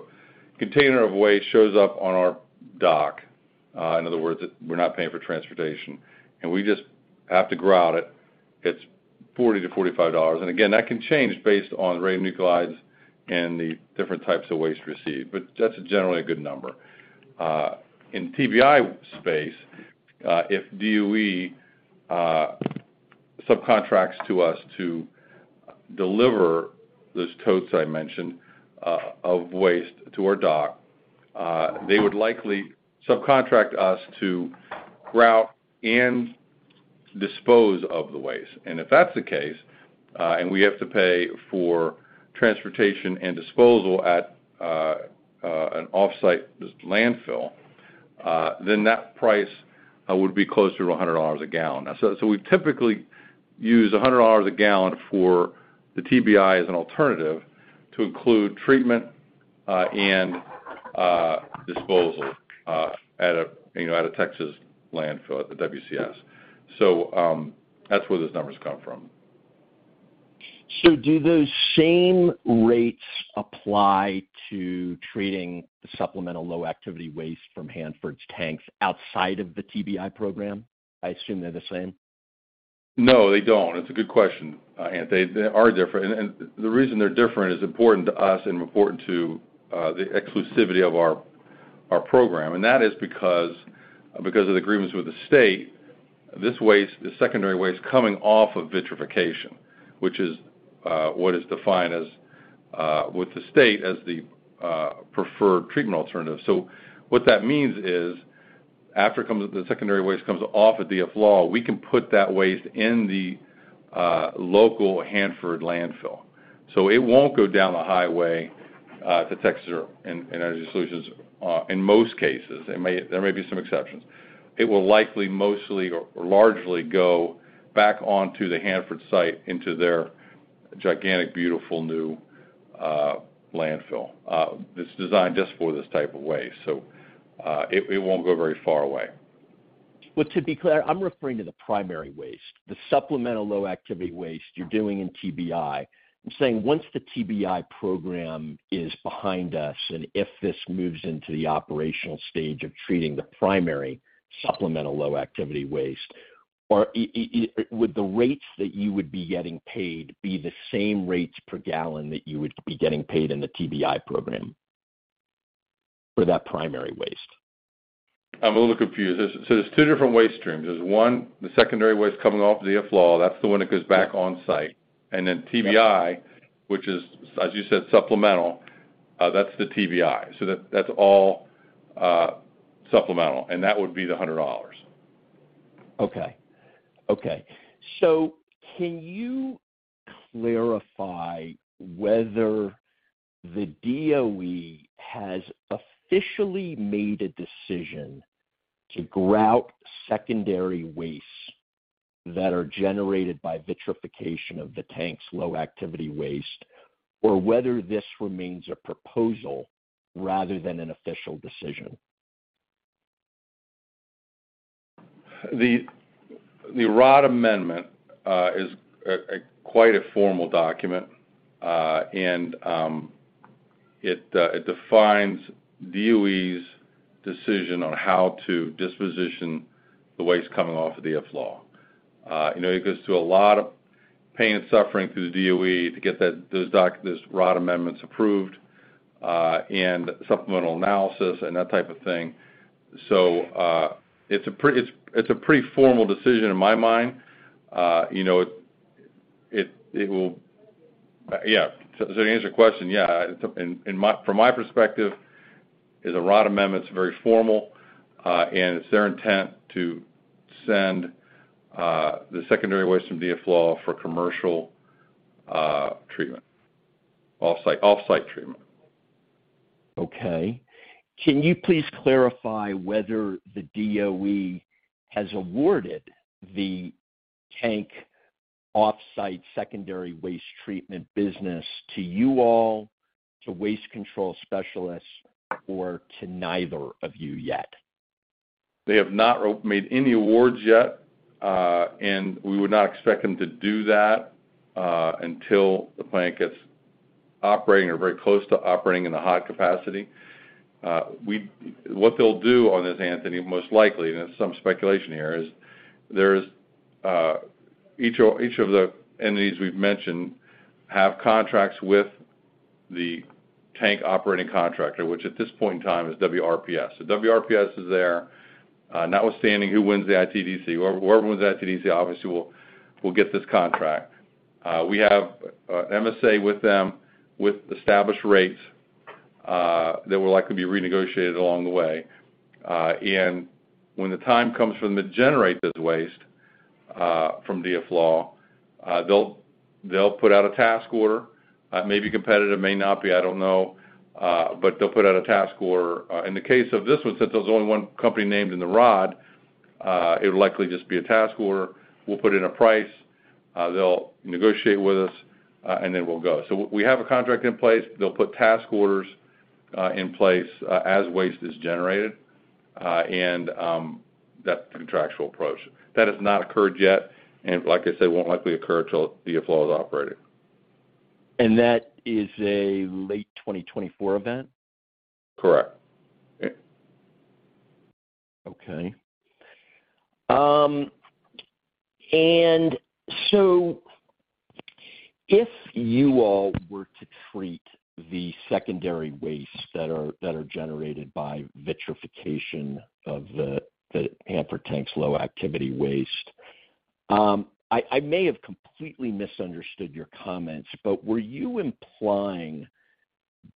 container of waste shows up on our dock, in other words, we're not paying for transportation, and we just have to grout it's $40-$45. Again, that can change based on the rate of nuclides and the different types of waste received, but that's generally a good number. In TBI space, if DOE subcontracts to us to deliver those totes I mentioned, of waste to our dock, they would likely subcontract us to grout and dispose of the waste. If that's the case, and we have to pay for transportation and disposal at an offsite landfill, that price would be closer to $100 a gallon. We typically use $100 a gallon for the TBI as an alternative to include treatment, and disposal, at a, you know, at a Texas landfill at the WCS. That's where those numbers come from. Do those same rates apply to treating the supplemental low activity waste from Hanford's tanks outside of the TBI program? I assume they're the same. No, they don't. It's a good question, Ant. They are different. The reason they're different is important to us and important to the exclusivity of our program, and that is because of the agreements with the state, this waste, the secondary waste coming off of vitrification, which is what is defined as with the state as the preferred treatment alternative. What that means is, after the secondary waste comes off of DFLAW, we can put that waste in the local Hanford landfill. It won't go down the highway to Texas and EnergySolutions in most cases. There may be some exceptions. It will likely, mostly or largely go back onto the Hanford site into their gigantic, beautiful new landfill that's designed just for this type of waste. It won't go very far away. Well, to be clear, I'm referring to the primary waste, the supplemental low activity waste you're doing in TBI. I'm saying once the TBI program is behind us, and if this moves into the operational stage of treating the primary supplemental low activity waste, or would the rates that you would be getting paid be the same rates per gallon that you would be getting paid in the TBI program for that primary waste? I'm a little confused. There is two different waste streams. There is one, the secondary waste coming off DFLAW, that is the one that goes back on site. TBI, which is, as you said, supplemental, that is the TBI. That, that is all, supplemental, and that would be the $100. Okay. Can you clarify whether the DOE has officially made a decision to grout secondary wastes that are generated by vitrification of the tank's low activity waste, or whether this remains a proposal rather than an official decision? The ROD amendment is quite a formal document. It defines DOE's decision on how to disposition the waste coming off of DFLAW. You know, it goes through a lot of pain and suffering through the DOE to get those ROD amendments approved, and supplemental analysis and that type of thing. It's a pretty formal decision in my mind. You know, it will... Yeah. To answer your question, yeah, in my from my perspective is a ROD amendment's very formal, and it's their intent to send the secondary waste from DFLAW for commercial treatment, offsite treatment. Okay. Can you please clarify whether the DOE has awarded the tank offsite secondary waste treatment business to you all, to Waste Control Specialists, or to neither of you yet? They have not made any awards yet, and we would not expect them to do that until the plant gets operating or very close to operating in the hot capacity. What they'll do on this, Anthony, most likely, and it's some speculation here, is there's each of the entities we've mentioned have contracts with the tank operating contractor, which at this point in time is WRPS. WRPS is there, notwithstanding who wins the ITDC. Whoever wins the ITDC obviously will get this contract. We have a MSA with them with established rates that will likely be renegotiated along the way. When the time comes for them to generate this waste, from DFLAW, they'll put out a task order. It may be competitive, it may not be, I don't know. They'll put out a task order. In the case of this one, since there's only one company named in the ROD, it would likely just be a task order. We'll put in a price, they'll negotiate with us, we'll go. We have a contract in place. They'll put task orders in place as waste is generated, that's the contractual approach. That has not occurred yet, like I said, won't likely occur until DFLAW is operating. That is a late 2024 event? Correct. Okay. If you all were to treat the secondary wastes that are generated by vitrification of the Hanford tanks low activity waste. I may have completely misunderstood your comments, were you implying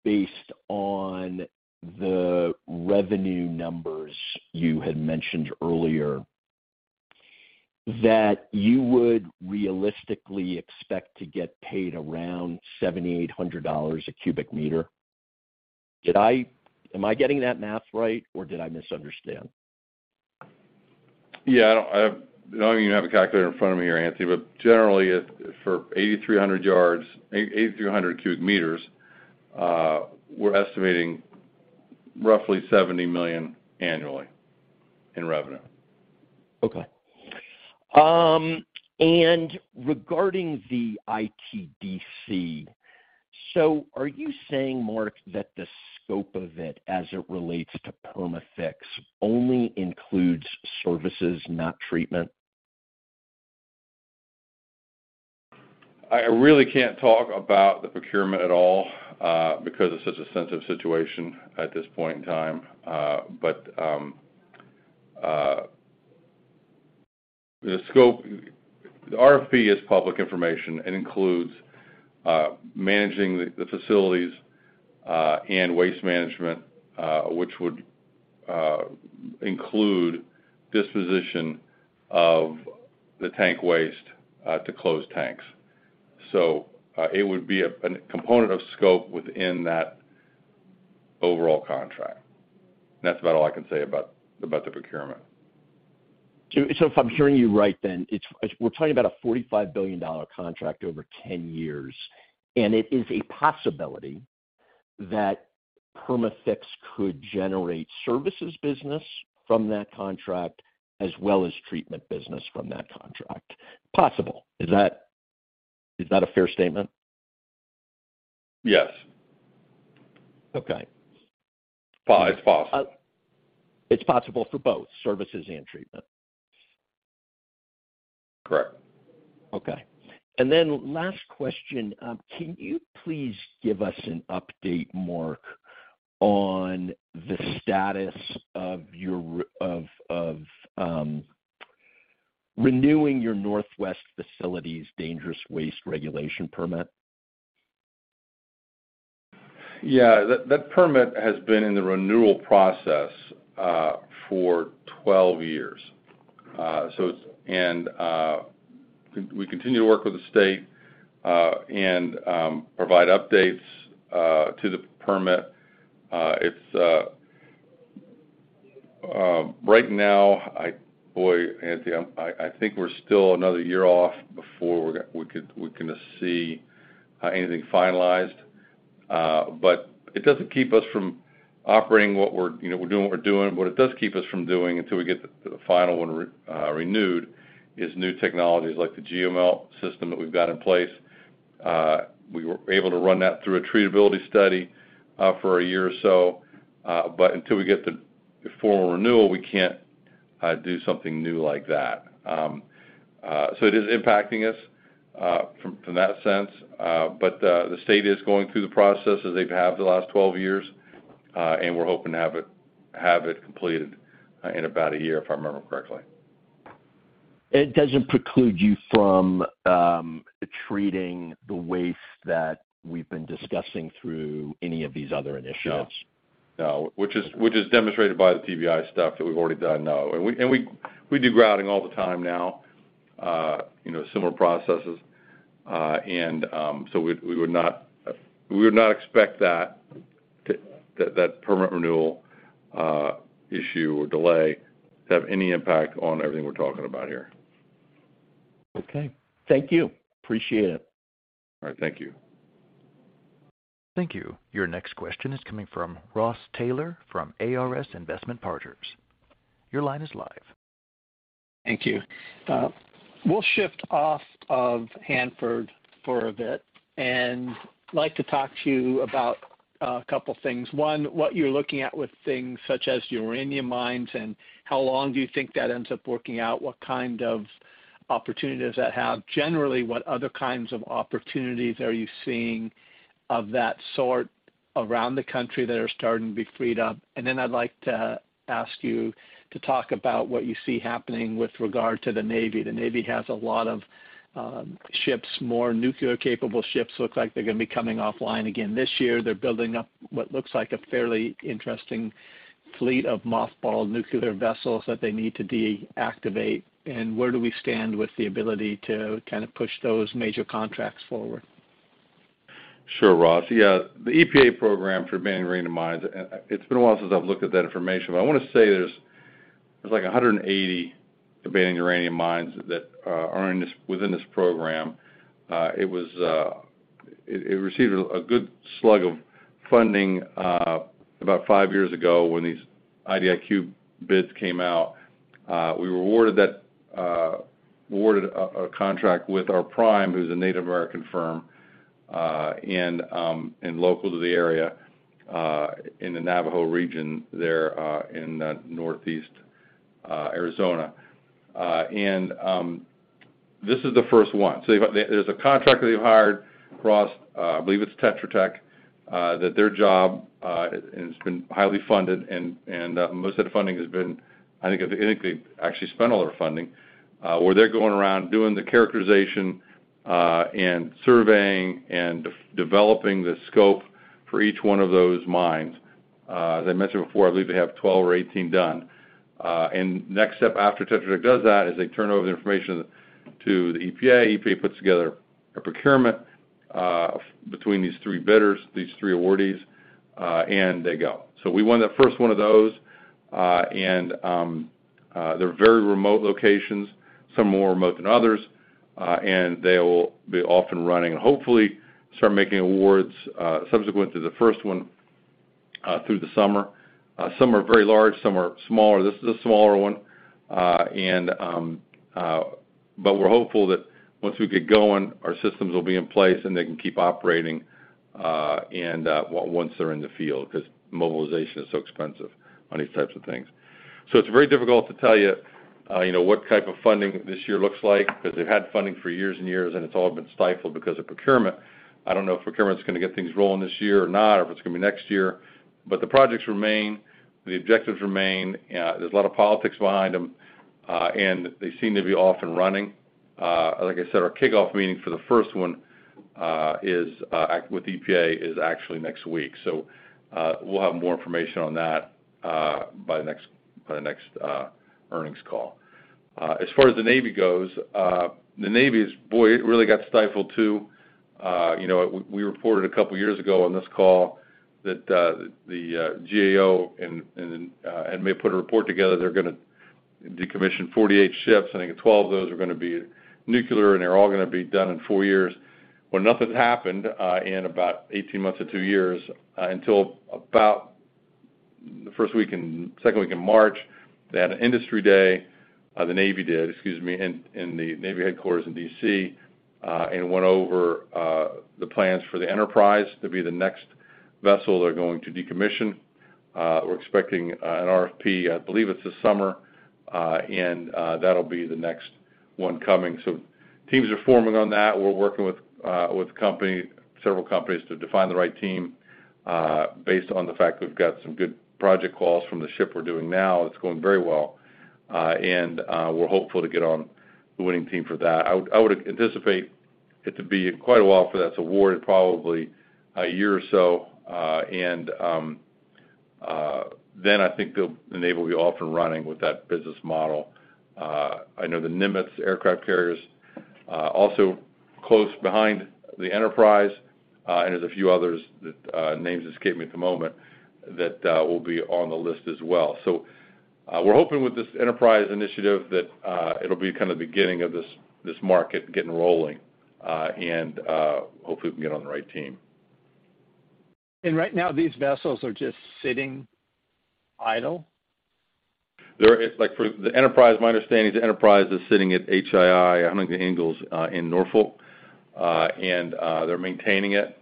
based on the revenue numbers you had mentioned earlier, that you would realistically expect to get paid around $7,800 a cubic meter? Am I getting that math right or did I misunderstand? Yeah. I don't even have a calculator in front of me here, Anthony, generally for 8,300 cubic meters, we're estimating roughly $70 million annually in revenue. Okay. Regarding the ITDC. Are you saying, Mark, that the scope of it as it relates to Perma-Fix only includes services, not treatment? I really can't talk about the procurement at all, because it's such a sensitive situation at this point in time. The RFP is public information and includes managing the facilities and waste management, which would include disposition of the tank waste to close tanks. It would be a component of scope within that overall contract. That's about all I can say about the procurement. If I'm hearing you right, then we're talking about a $45 billion contract over 10 years, and it is a possibility that Perma-Fix could generate services business from that contract as well as treatment business from that contract. Possible. Is that a fair statement? Yes. Okay. Well, it's possible. It's possible for both services and treatment. Correct. Okay. Last question. Can you please give us an update, Mark, on the status of your renewing your Northwest Facilities Dangerous Waste Regulations permit? Yeah. That permit has been in the renewal process for 12 years. We continue to work with the state and provide updates to the permit. Right now, Anthony, I think we're still another year off before we're going to see anything finalized. It doesn't keep us from operating what we're, you know, we're doing what we're doing. What it does keep us from doing until we get the final one renewed is new technologies like the GML system that we've got in place. We were able to run that through a treatability study for a year or so. Until we get the formal renewal, we can't do something new like that. It is impacting us from that sense. The state is going through the process as they've have the last 12 years. We're hoping to have it completed in about a year, if I remember correctly. It doesn't preclude you from, treating the waste that we've been discussing through any of these other initiatives? No. No. Which is demonstrated by the TBI stuff that we've already done. No. We do grouting all the time now, you know, similar processes. We would not expect that permit renewal issue or delay to have any impact on everything we're talking about here. Okay. Thank you. Appreciate it. All right. Thank you. Thank you. Your next question is coming from Ross Taylor, from ARS Investment Partners. Your line is live. Thank you. We'll shift off of Hanford for a bit and like to talk to you about a couple of things. One, what you're looking at with things such as uranium mines, and how long do you think that ends up working out? What kind of opportunities that have? Generally, what other kinds of opportunities are you seeing of that sort around the country that are starting to be freed up? I'd like to ask you to talk about what you see happening with regard to the Navy. The Navy has a lot of ships. More nuclear capable ships look like they're gonna be coming offline again this year. They're building up what looks like a fairly interesting fleet of mothballed nuclear vessels that they need to deactivate. Where do we stand with the ability to kind of push those major contracts forward? Sure, Ross. The EPA program for abandoned uranium mines, it's been a while since I've looked at that information, but I want to say there's like 180 abandoned uranium mines that are within this program. It was, it received a good slug of funding about 5 years ago when these IDIQ bids came out. We were awarded a contract with our prime, who's a Native American firm, and local to the area, in the Navajo region there, in Northeast Arizona. This is the first one. They've there's a contractor they've hired Ross, I believe it's Tetra Tech, that their job, and it's been highly funded and most of the funding has been, I think, at the end, they actually spent all their funding, where they're going around doing the characterization and surveying and de-developing the scope for each one of those mines. As I mentioned before, I believe they have 12 or 18 done. Next step after Tetra Tech does that is they turn over the information to the EPA. EPA puts together a procurement between these three bidders, these three awardees, and they go. We won the first one of those. They're very remote locations, some more remote than others. They will be off and running, hopefully start making awards, subsequent to the first one, through the summer. Some are very large, some are smaller. This is a smaller one. We're hopeful that once we get going, our systems will be in place, and they can keep operating, and once they're in the field, 'cause mobilization is so expensive on these types of things. It's very difficult to tell you know, what type of funding this year looks like, 'cause they've had funding for years and years, and it's all been stifled because of procurement. I don't know if procurement's gonna get things rolling this year or not, or if it's gonna be next year. The projects remain, the objectives remain, there's a lot of politics behind them. They seem to be off and running. Like I said, our kickoff meeting for the first one is with EPA is actually next week. We'll have more information on that by the next earnings call. As far as the Navy goes, the Navy is, boy, it really got stifled, too. you know, we reported a couple years ago on this call that the GAO and they put a report together, they're gonna decommission 48 ships, I think 12 of those are gonna be nuclear, and they're all gonna be done in four years. Nothing's happened in about 18 months to two years until about the first week in second week in March. They had an industry day, the Navy did, excuse me, in the Navy headquarters in D.C., and went over the plans for the Enterprise to be the next vessel they're going to decommission. We're expecting an RFP, I believe it's this summer, and that'll be the next one coming. Teams are forming on that. We're working with company, several companies to define the right team, based on the fact that we've got some good project calls from the ship we're doing now, and it's going very well. We're hopeful to get on the winning team for that. I would anticipate it to be quite a while for that to award, probably a year or so, I think they'll enable you off and running with that business model. I know the Nimitz aircraft carrier's also close behind the Enterprise, there's a few others that names escape me at the moment, that will be on the list as well. We're hoping with this Enterprise initiative that it'll be kind of beginning of this market getting rolling, and hopefully we can get on the right team. Right now these vessels are just sitting idle? It's like for the Enterprise, my understanding is the Enterprise is sitting at HII, Huntington Ingalls, in Norfolk. They're maintaining it.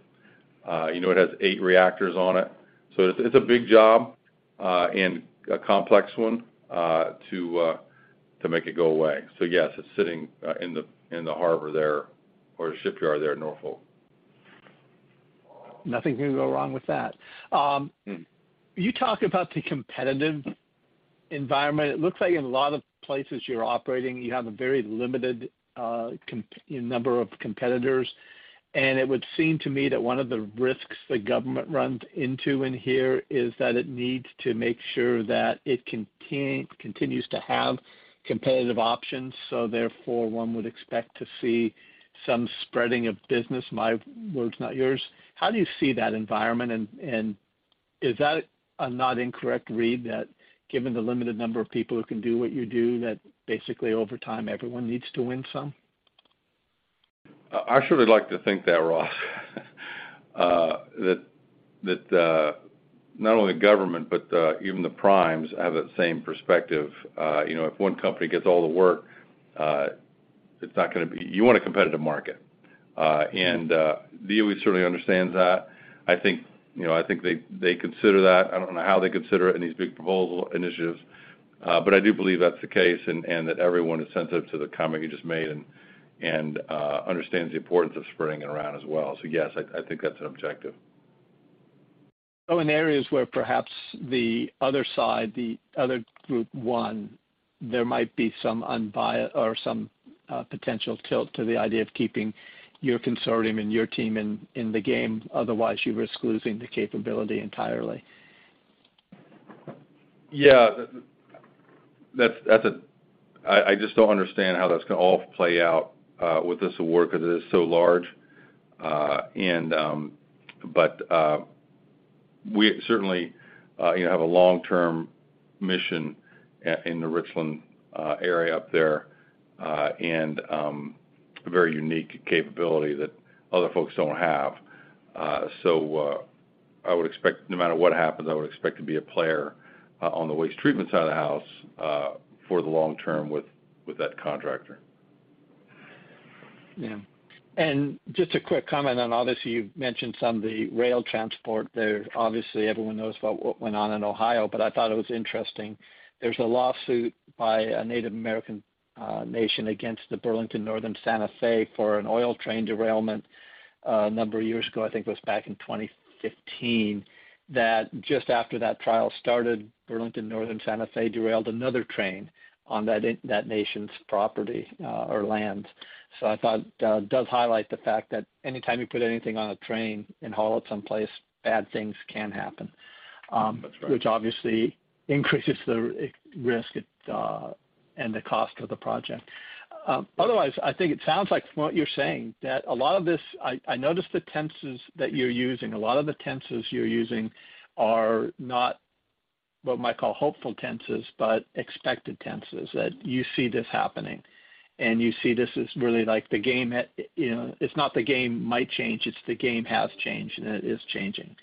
You know, it has eight reactors on it, so it's a big job and a complex one to make it go away. Yes, it's sitting in the, in the harbor there or shipyard there in Norfolk. Nothing can go wrong with that. You talk about the competitive environment. It looks like in a lot of places you're operating, you have a very limited number of competitors. It would seem to me that one of the risks the government runs into in here is that it needs to make sure that it continues to have competitive options, so therefore, one would expect to see some spreading of business, my words, not yours. How do you see that environment and is that a not incorrect read that given the limited number of people who can do what you do, that basically over time, everyone needs to win some? I sort of like to think that, Ross. That not only government, but even the primes have that same perspective. You know, if one company gets all the work, you want a competitive market. DOE certainly understands that. I think, you know, they consider that. I don't know how they consider it in these big proposal initiatives. But I do believe that's the case and that everyone is sensitive to the comment you just made and understands the importance of spreading it around as well. Yes, I think that's an objective. In areas where perhaps the other side, the other group won, there might be some unbiased or some potential tilt to the idea of keeping your consortium and your team in the game, otherwise you risk losing the capability entirely. I just don't understand how that's gonna all play out with this award 'cause it is so large. We certainly, you know, have a long-term mission in the Richland area up there, and a very unique capability that other folks don't have. I would expect, no matter what happens, I would expect to be a player on the waste treatment side of the house for the long term with that contractor. Yeah. Just a quick comment on, obviously, you've mentioned some of the rail transport there. Obviously, everyone knows about what went on in Ohio, I thought it was interesting. There's a lawsuit by a Native American nation against the Burlington Northern and Santa Fe for an oil train derailment a number of years ago, I think it was back in 2015, that just after that trial started, Burlington Northern and Santa Fe derailed another train on that nation's property, or land. I thought, it does highlight the fact that any time you put anything on a train and haul it someplace, bad things can happen. That's right. which obviously increases the risk and the cost of the project. Otherwise, I think it sounds like from what you're saying, that a lot of this. I noticed the tenses that you're using. A lot of the tenses you're using are not what you might call hopeful tenses, but expected tenses, that you see this happening and you see this as really like the game, you know, it's not the game might change, it's the game has changed and it is changing,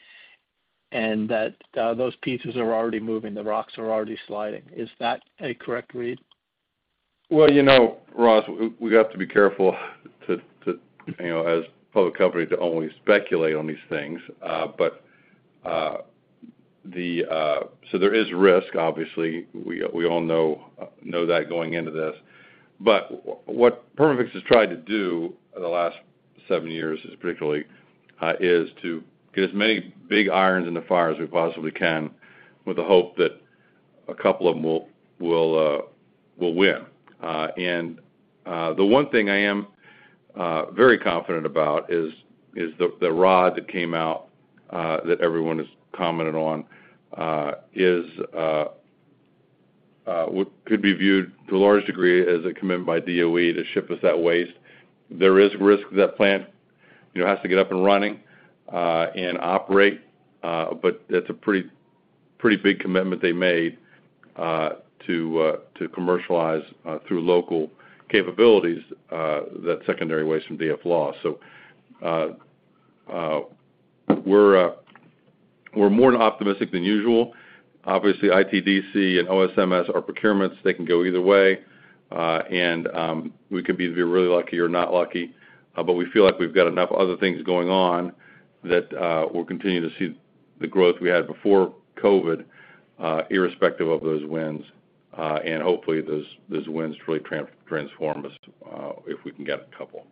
and that those pieces are already moving, the rocks are already sliding. Is that a correct read? Well, you know, Ross, we have to be careful to, you know, as a public company, to only speculate on these things. There is risk, obviously, we all know that going into this. What Perma-Fix has tried to do over the last seven years, particularly, is to get as many big irons in the fire as we possibly can with the hope that a couple of them will win. The one thing I am very confident about is the ROD that came out that everyone has commented on is could be viewed to a large degree as a commitment by DOE to ship us that waste. There is risk that plant, you know, has to get up and running, and operate, but that's a pretty big commitment they made to commercialize through local capabilities, that secondary waste from DFLAW. We're more than optimistic than usual. Obviously, ITDC and OSMS are procurements. They can go either way. We could be either really lucky or not lucky, but we feel like we've got enough other things going on that we're continuing to see the growth we had before COVID, irrespective of those wins. Hopefully, those wins really transform us, if we can get a couple.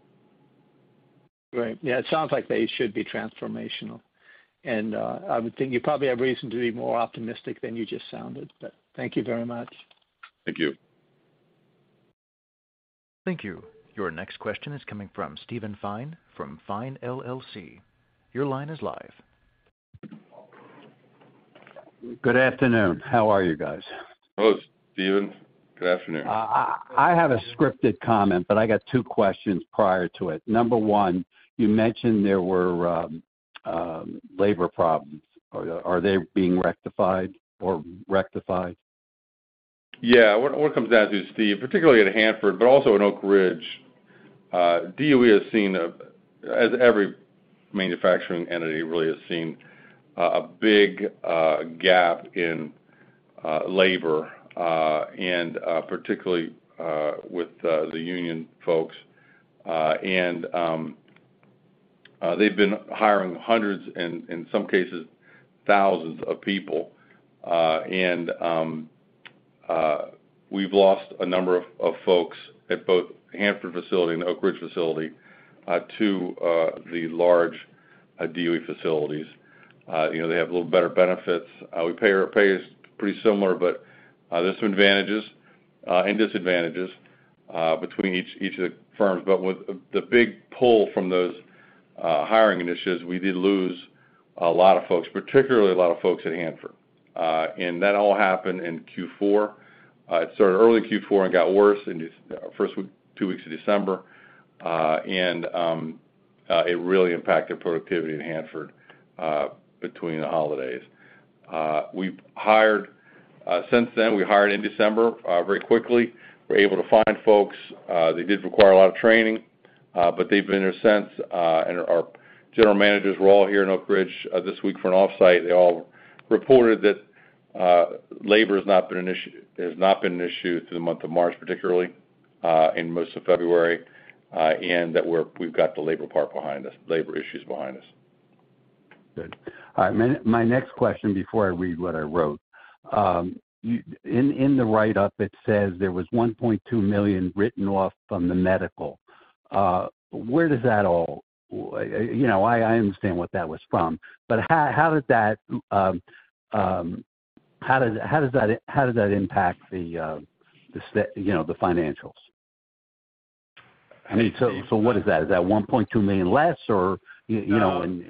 Right. Yeah, it sounds like they should be transformational. I would think you probably have reason to be more optimistic than you just sounded, but thank you very much. Thank you. Thank you. Your next question is coming from Steven Fine from Fine LLC. Your line is live. Good afternoon. How are you guys? Hello, Steven. Good afternoon. I have a scripted comment, but I got two questions prior to it. Number one, you mentioned there were labor problems. Are they being rectified or rectified? What it comes down to, Steve, particularly at Hanford, but also in Oak Ridge, DOE has seen, as every manufacturing entity really has seen, a big gap in labor, and particularly with the union folks. They've been hiring hundreds and in some cases, thousands of people. We've lost a number of folks at both Hanford facility and Oak Ridge facility to the large DOE facilities. You know, they have a little better benefits. Our pay is pretty similar, but there's some advantages and disadvantages between each of the firms. With the big pull from those hiring initiatives, we did lose a lot of folks, particularly a lot of folks at Hanford. That all happened in Q4. Early Q4 and got worse in these first two weeks of December. It really impacted productivity at Hanford between the holidays. Since then, we hired in December very quickly. We were able to find folks. They did require a lot of training, but they've been there since. Our general managers were all here in Oak Ridge this week for an off-site. They all reported that labor has not been an issue through the month of March, particularly, and most of February, and that we've got the labor part behind us, labor issues behind us Good. My next question before I read what I wrote. In the write-up, it says there was $1.2 million written off from the medical. Where does that all... You know, I understand what that was from, but how does that impact the financials? I mean, what is that? Is that $1.2 million less or, you know,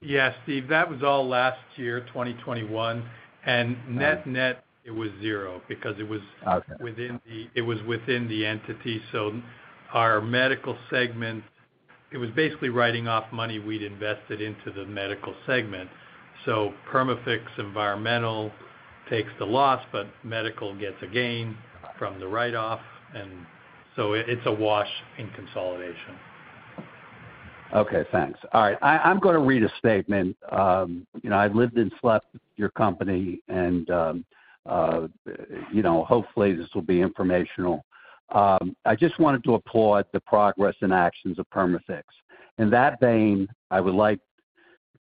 Yeah, Steve, that was all last year, 2021. All right. Net-net, it was zero because it was. Okay. within the entity. Our medical segment, it was basically writing off money we'd invested into the medical segment. Perma-Fix Environmental takes the loss, but medical gets a gain from the write-off. It, it's a wash in consolidation. Okay, thanks. All right, I'm gonna read a statement. You know, I've lived and slept with your company, and, you know, hopefully, this will be informational. I just wanted to applaud the progress and actions of Perma-Fix. In that vein, I would like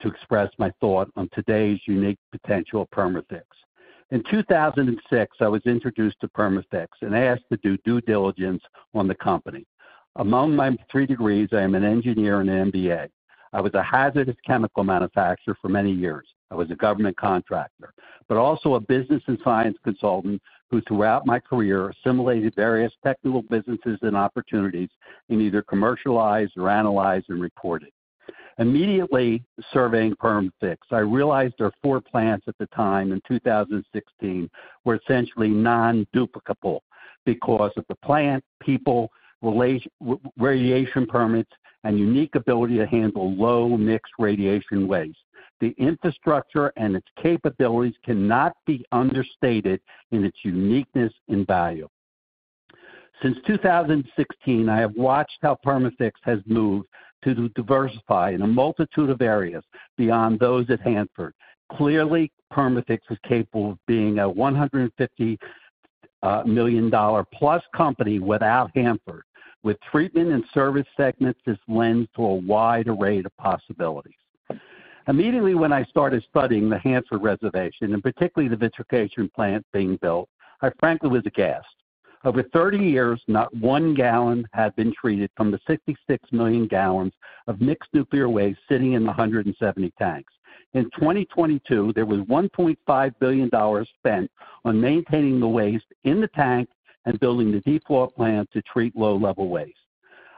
to express my thought on today's unique potential of Perma-Fix. In 2006, I was introduced to Perma-Fix and asked to do due diligence on the company. Among my three degrees, I am an engineer and an MBA. I was a hazardous chemical manufacturer for many years. I was a government contractor, but also a business and science consultant who, throughout my career, assimilated various technical businesses and opportunities and either commercialized or analyzed and reported. Immediately surveying Perma-Fix, I realized their four plants at the time in 2016 were essentially non-duplicable because of the plant, people, radiation permits, and unique ability to handle low mixed radiation waste. The infrastructure and its capabilities cannot be understated in its uniqueness and value. Since 2016, I have watched how Perma-Fix has moved to diversify in a multitude of areas beyond those at Hanford. Clearly, Perma-Fix is capable of being a $150 million+ company without Hanford. With treatment and service segments, this lends to a wide array of possibilities. Immediately when I started studying the Hanford reservation, and particularly the vitrification plant being built, I frankly was aghast. Over 30 years, not 1 gal had been treated from the 66 million gal of mixed nuclear waste sitting in the 170 tanks. In 2022, there was $1.5 billion spent on maintaining the waste in the tank and building the DFLAW plant to treat low-level waste.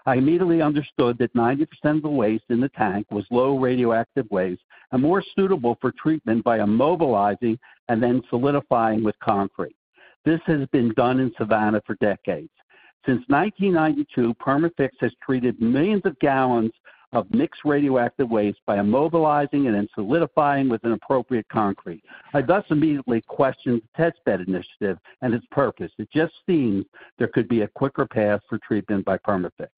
I immediately understood that 90% of the waste in the tank was low radioactive waste and more suitable for treatment by immobilizing and then solidifying with concrete. This has been done in Savannah for decades. Since 1992, Perma-Fix has treated millions of gallons of mixed radioactive waste by immobilizing and then solidifying with an appropriate concrete. I thus immediately questioned the Test Bed Initiative and its purpose. It just seemed there could be a quicker path for treatment by Perma-Fix.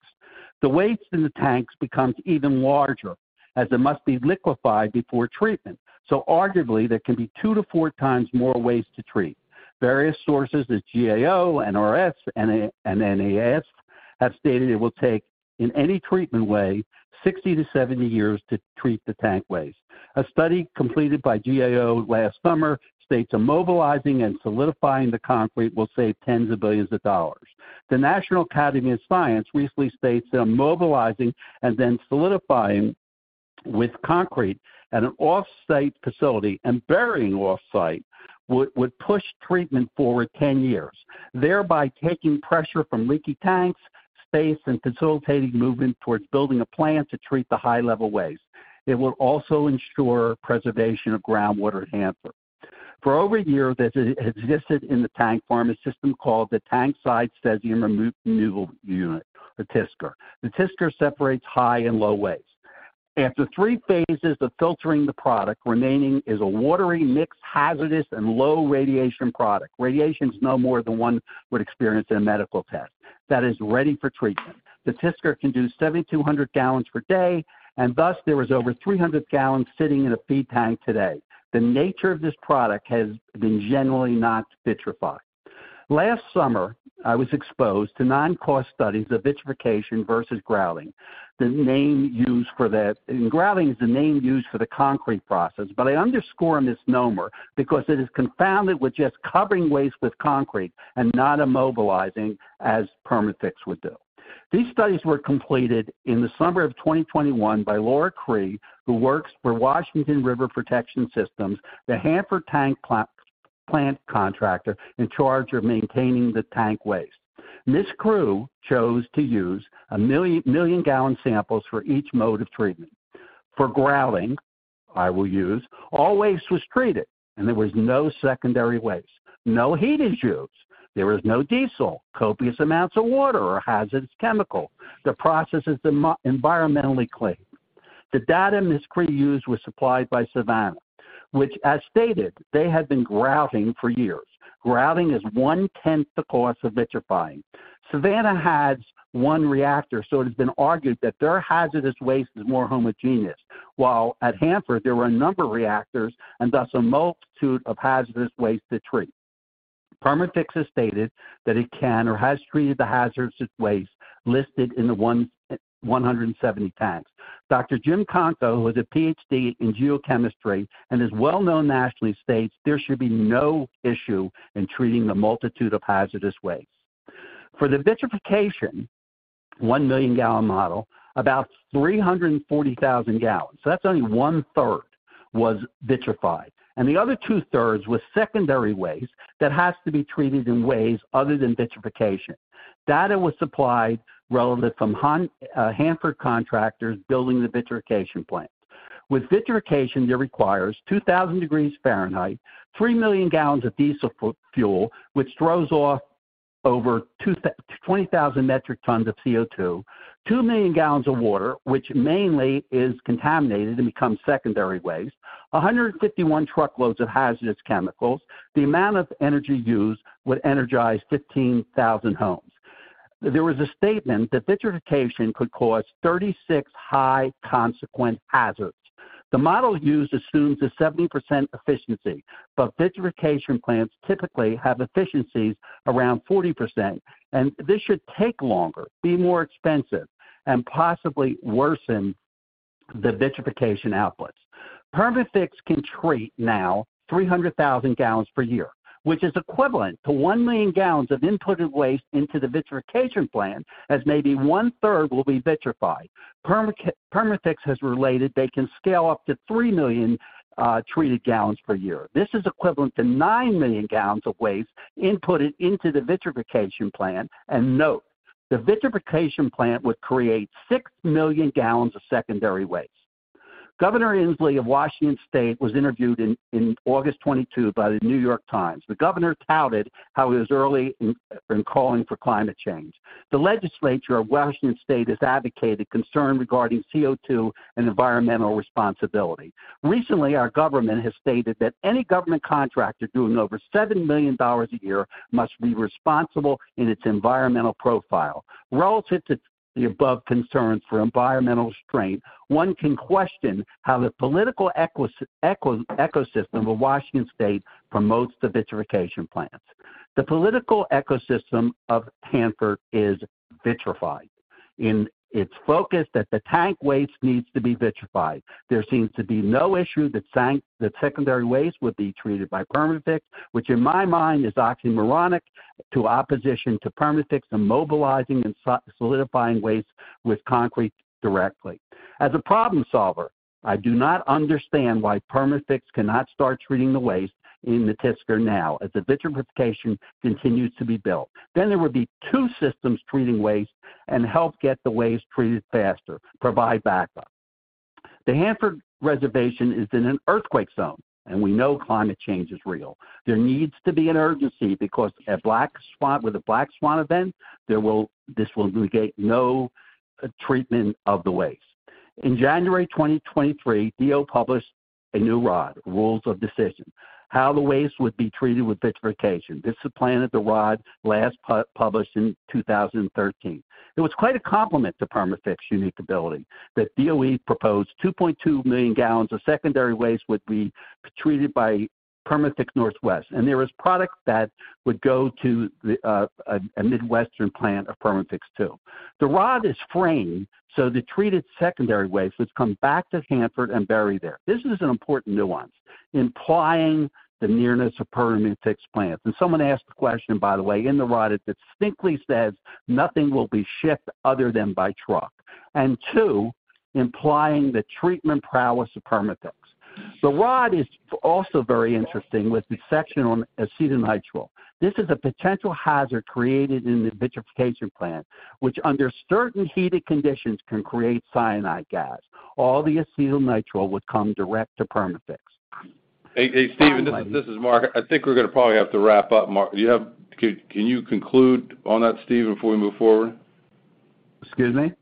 The waste in the tanks becomes even larger, as it must be liquefied before treatment. Arguably there can be 2x to 4x more waste to treat. Various sources as GAO, NRC, NAS have stated it will take, in any treatment way, 60-70 years to treat the tank waste. A study completed by GAO last summer states immobilizing and solidifying the concrete will save tens of billions of dollars. The National Academy of Sciences recently states that immobilizing and then solidifying with concrete at an off-site facility and burying off-site would push treatment forward 10 years, thereby taking pressure from leaky tanks, space, and facilitating movement towards building a plant to treat the high-level waste. It will also ensure preservation of groundwater at Hanford. For over a year, this has existed in the tank farm, a system called the Tank-Side Cesium Removal system, the TSCR. The TSCR separates high and low waste. After three phases of filtering the product, remaining is a watery, mixed, hazardous, and low radiation product. Radiation is no more than one would experience in a medical test that is ready for treatment. The TSCR can do 7,200 gal per day, thus there is over 300 gal sitting in a feed tank today. The nature of this product has been generally not vitrified. Last summer, I was exposed to non-cost studies of vitrification versus grouting. Grouting is the name used for the concrete process, but I underscore a misnomer because it is confounded with just covering waste with concrete and not immobilizing as Perma-Fix would do. These studies were completed in the summer of 2021 by Laura Cree, who works for Washington River Protection Solutions, the Hanford tank plant contractor in charge of maintaining the tank waste. Ms. Cree chose to use a million-gallon samples for each mode of treatment. For grouting, all waste was treated and there was no secondary waste. No heat is used. There is no diesel, copious amounts of water or hazardous chemical. The process is environmentally clean. The data Ms. Cree used was supplied by Savannah, which as stated, they had been grouting for years. Grouting is one-tenth the cost of vitrifying. Savannah has one reactor, so it has been argued that their hazardous waste is more homogeneous, while at Hanford, there were a number of reactors and thus a multitude of hazardous waste to treat. Perma-Fix has stated that it can or has treated the hazardous waste listed in the 170 tanks. Dr. Jim Conco who has a PhD in geochemistry and is well known nationally states there should be no issue in treating the multitude of hazardous waste. For the vitrification, 1 million gal model, about 340,000 gal, so that's only one-third, was vitrified, and the other two-thirds was secondary waste that has to be treated in ways other than vitrification. Data was supplied relevant from Hanford contractors building the vitrification plant. With vitrification, it requires 2,000 degrees Fahrenheit, 3 million gal of diesel fuel, which throws off over 20,000 metric tons of CO2, 2 million gal of water, which mainly is contaminated and becomes secondary waste, 151 truckloads of hazardous chemicals. The amount of energy used would energize 15,000 homes. There was a statement that vitrification could cause 36 high consequent hazards. The model used assumes a 70% efficiency, but vitrification plants typically have efficiencies around 40%, and this should take longer, be more expensive, and possibly worsen the vitrification outputs. Perma-Fix can treat now 300,000 gal per year, which is equivalent to 1 million gal of inputted waste into the vitrification plant, as maybe one-third will be vitrified. Perma-Fix has related they can scale up to 3 million treated gallons per year. This is equivalent to 9 million gal of waste inputted into the vitrification plant. Note, the vitrification plant would create 6 million gal of secondary waste. Governor Inslee of Washington State was interviewed in August 22 by The New York Times. The governor touted how he was early in calling for climate change. The legislature of Washington State has advocated concern regarding CO2 and environmental responsibility. Recently, our government has stated that any government contractor doing over $7 million a year must be responsible in its environmental profile. Relative to the above concerns for environmental strain, one can question how the political ecosystem of Washington State promotes the vitrification plants. The political ecosystem of Hanford is vitrified in its focus that the tank waste needs to be vitrified. There seems to be no issue that secondary waste would be treated by Perma-Fix, which in my mind is oxymoronic to opposition to Perma-Fix immobilizing and solidifying waste with concrete directly. As a problem solver, I do not understand why Perma-Fix cannot start treating the waste in the TSCR now as the vitrification continues to be built. There would be two systems treating waste and help get the waste treated faster, provide backup. The Hanford reservation is in an earthquake zone, and we know climate change is real. There needs to be an urgency because with a black swan event, this will negate no treatment of the waste. In January 2023, DOE published a new ROD, Record of Decision, how the waste would be treated with vitrification. This supplanted the ROD last published in 2013. It was quite a complement to Perma-Fix unique ability that DOE proposed 2.2 million gal of secondary waste would be treated by Perma-Fix Northwest, and there is product that would go to a Midwestern plant of Perma-Fix, too. The ROD is framed so the treated secondary waste would come back to Hanford and buried there. This is an important nuance implying the nearness of Perma-Fix plants. Someone asked the question, by the way, in the ROD, it distinctly says nothing will be shipped other than by truck. Two, implying the treatment prowess of Perma-Fix. The ROD is also very interesting with the section on acetonitrile. This is a potential hazard created in the vitrification plant, which under certain heated conditions can create cyanide gas. All the acetonitrile would come direct to Perma-Fix. Hey, Stephen, this is Mark. I think we're gonna probably have to wrap up, Mark. Can you conclude on that, Stephen, before we move forward? Excuse me?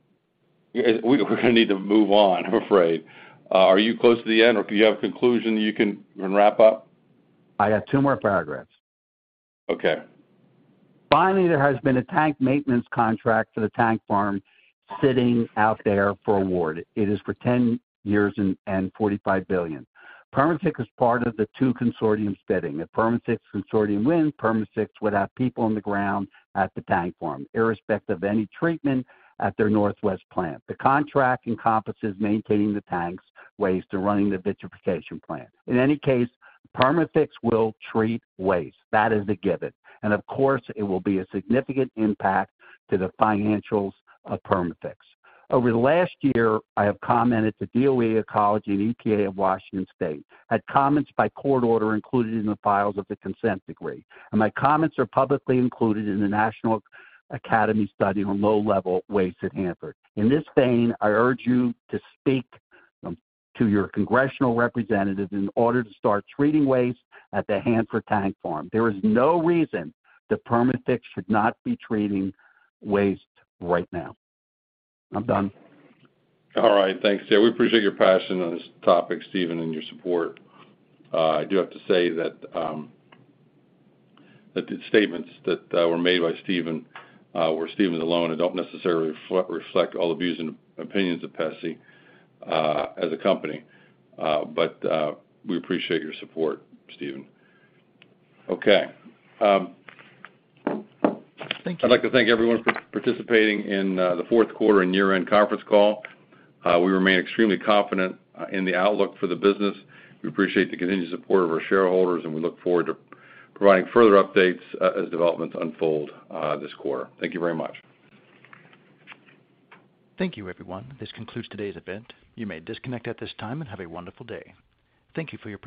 We're gonna need to move on, I'm afraid. Are you close to the end or do you have a conclusion that you can wrap up? I have two more paragraphs. Okay. Finally, there has been a tank maintenance contract for the tank farm sitting out there for award. It is for 10 years and $45 billion. Perma-Fix is part of the two consortiums bidding. If Perma-Fix consortium wins, Perma-Fix would have people on the ground at the tank farm, irrespective of any treatment at their Northwest plant. The contract encompasses maintaining the tanks waste and running the vitrification plant. In any case, Perma-Fix will treat waste. That is a given. Of course, it will be a significant impact to the financials of Perma-Fix. Over the last year, I have commented to DOE, Ecology, and EPA of Washington State. Had comments by court order included in the files of the consent decree. My comments are publicly included in the National Academy study on low-level waste at Hanford. In this vein, I urge you to speak to your congressional representatives in order to start treating waste at the Hanford tank farm. There is no reason that Perma-Fix should not be treating waste right now. I'm done. All right. Thanks. Yeah, we appreciate your passion on this topic, Stephen, and your support. I do have to say that the statements that were made by Stephen were Stephen's alone and don't necessarily reflect all the views and opinions of PESI as a company. We appreciate your support, Stephen. Okay. Thank you. I'd like to thank everyone for participating in the fourth quarter and year-end conference call. We remain extremely confident in the outlook for the business. We appreciate the continued support of our shareholders, and we look forward to providing further updates as developments unfold this quarter. Thank you very much. Thank you, everyone. This concludes today's event. You may disconnect at this time, and have a wonderful day. Thank you for your participation.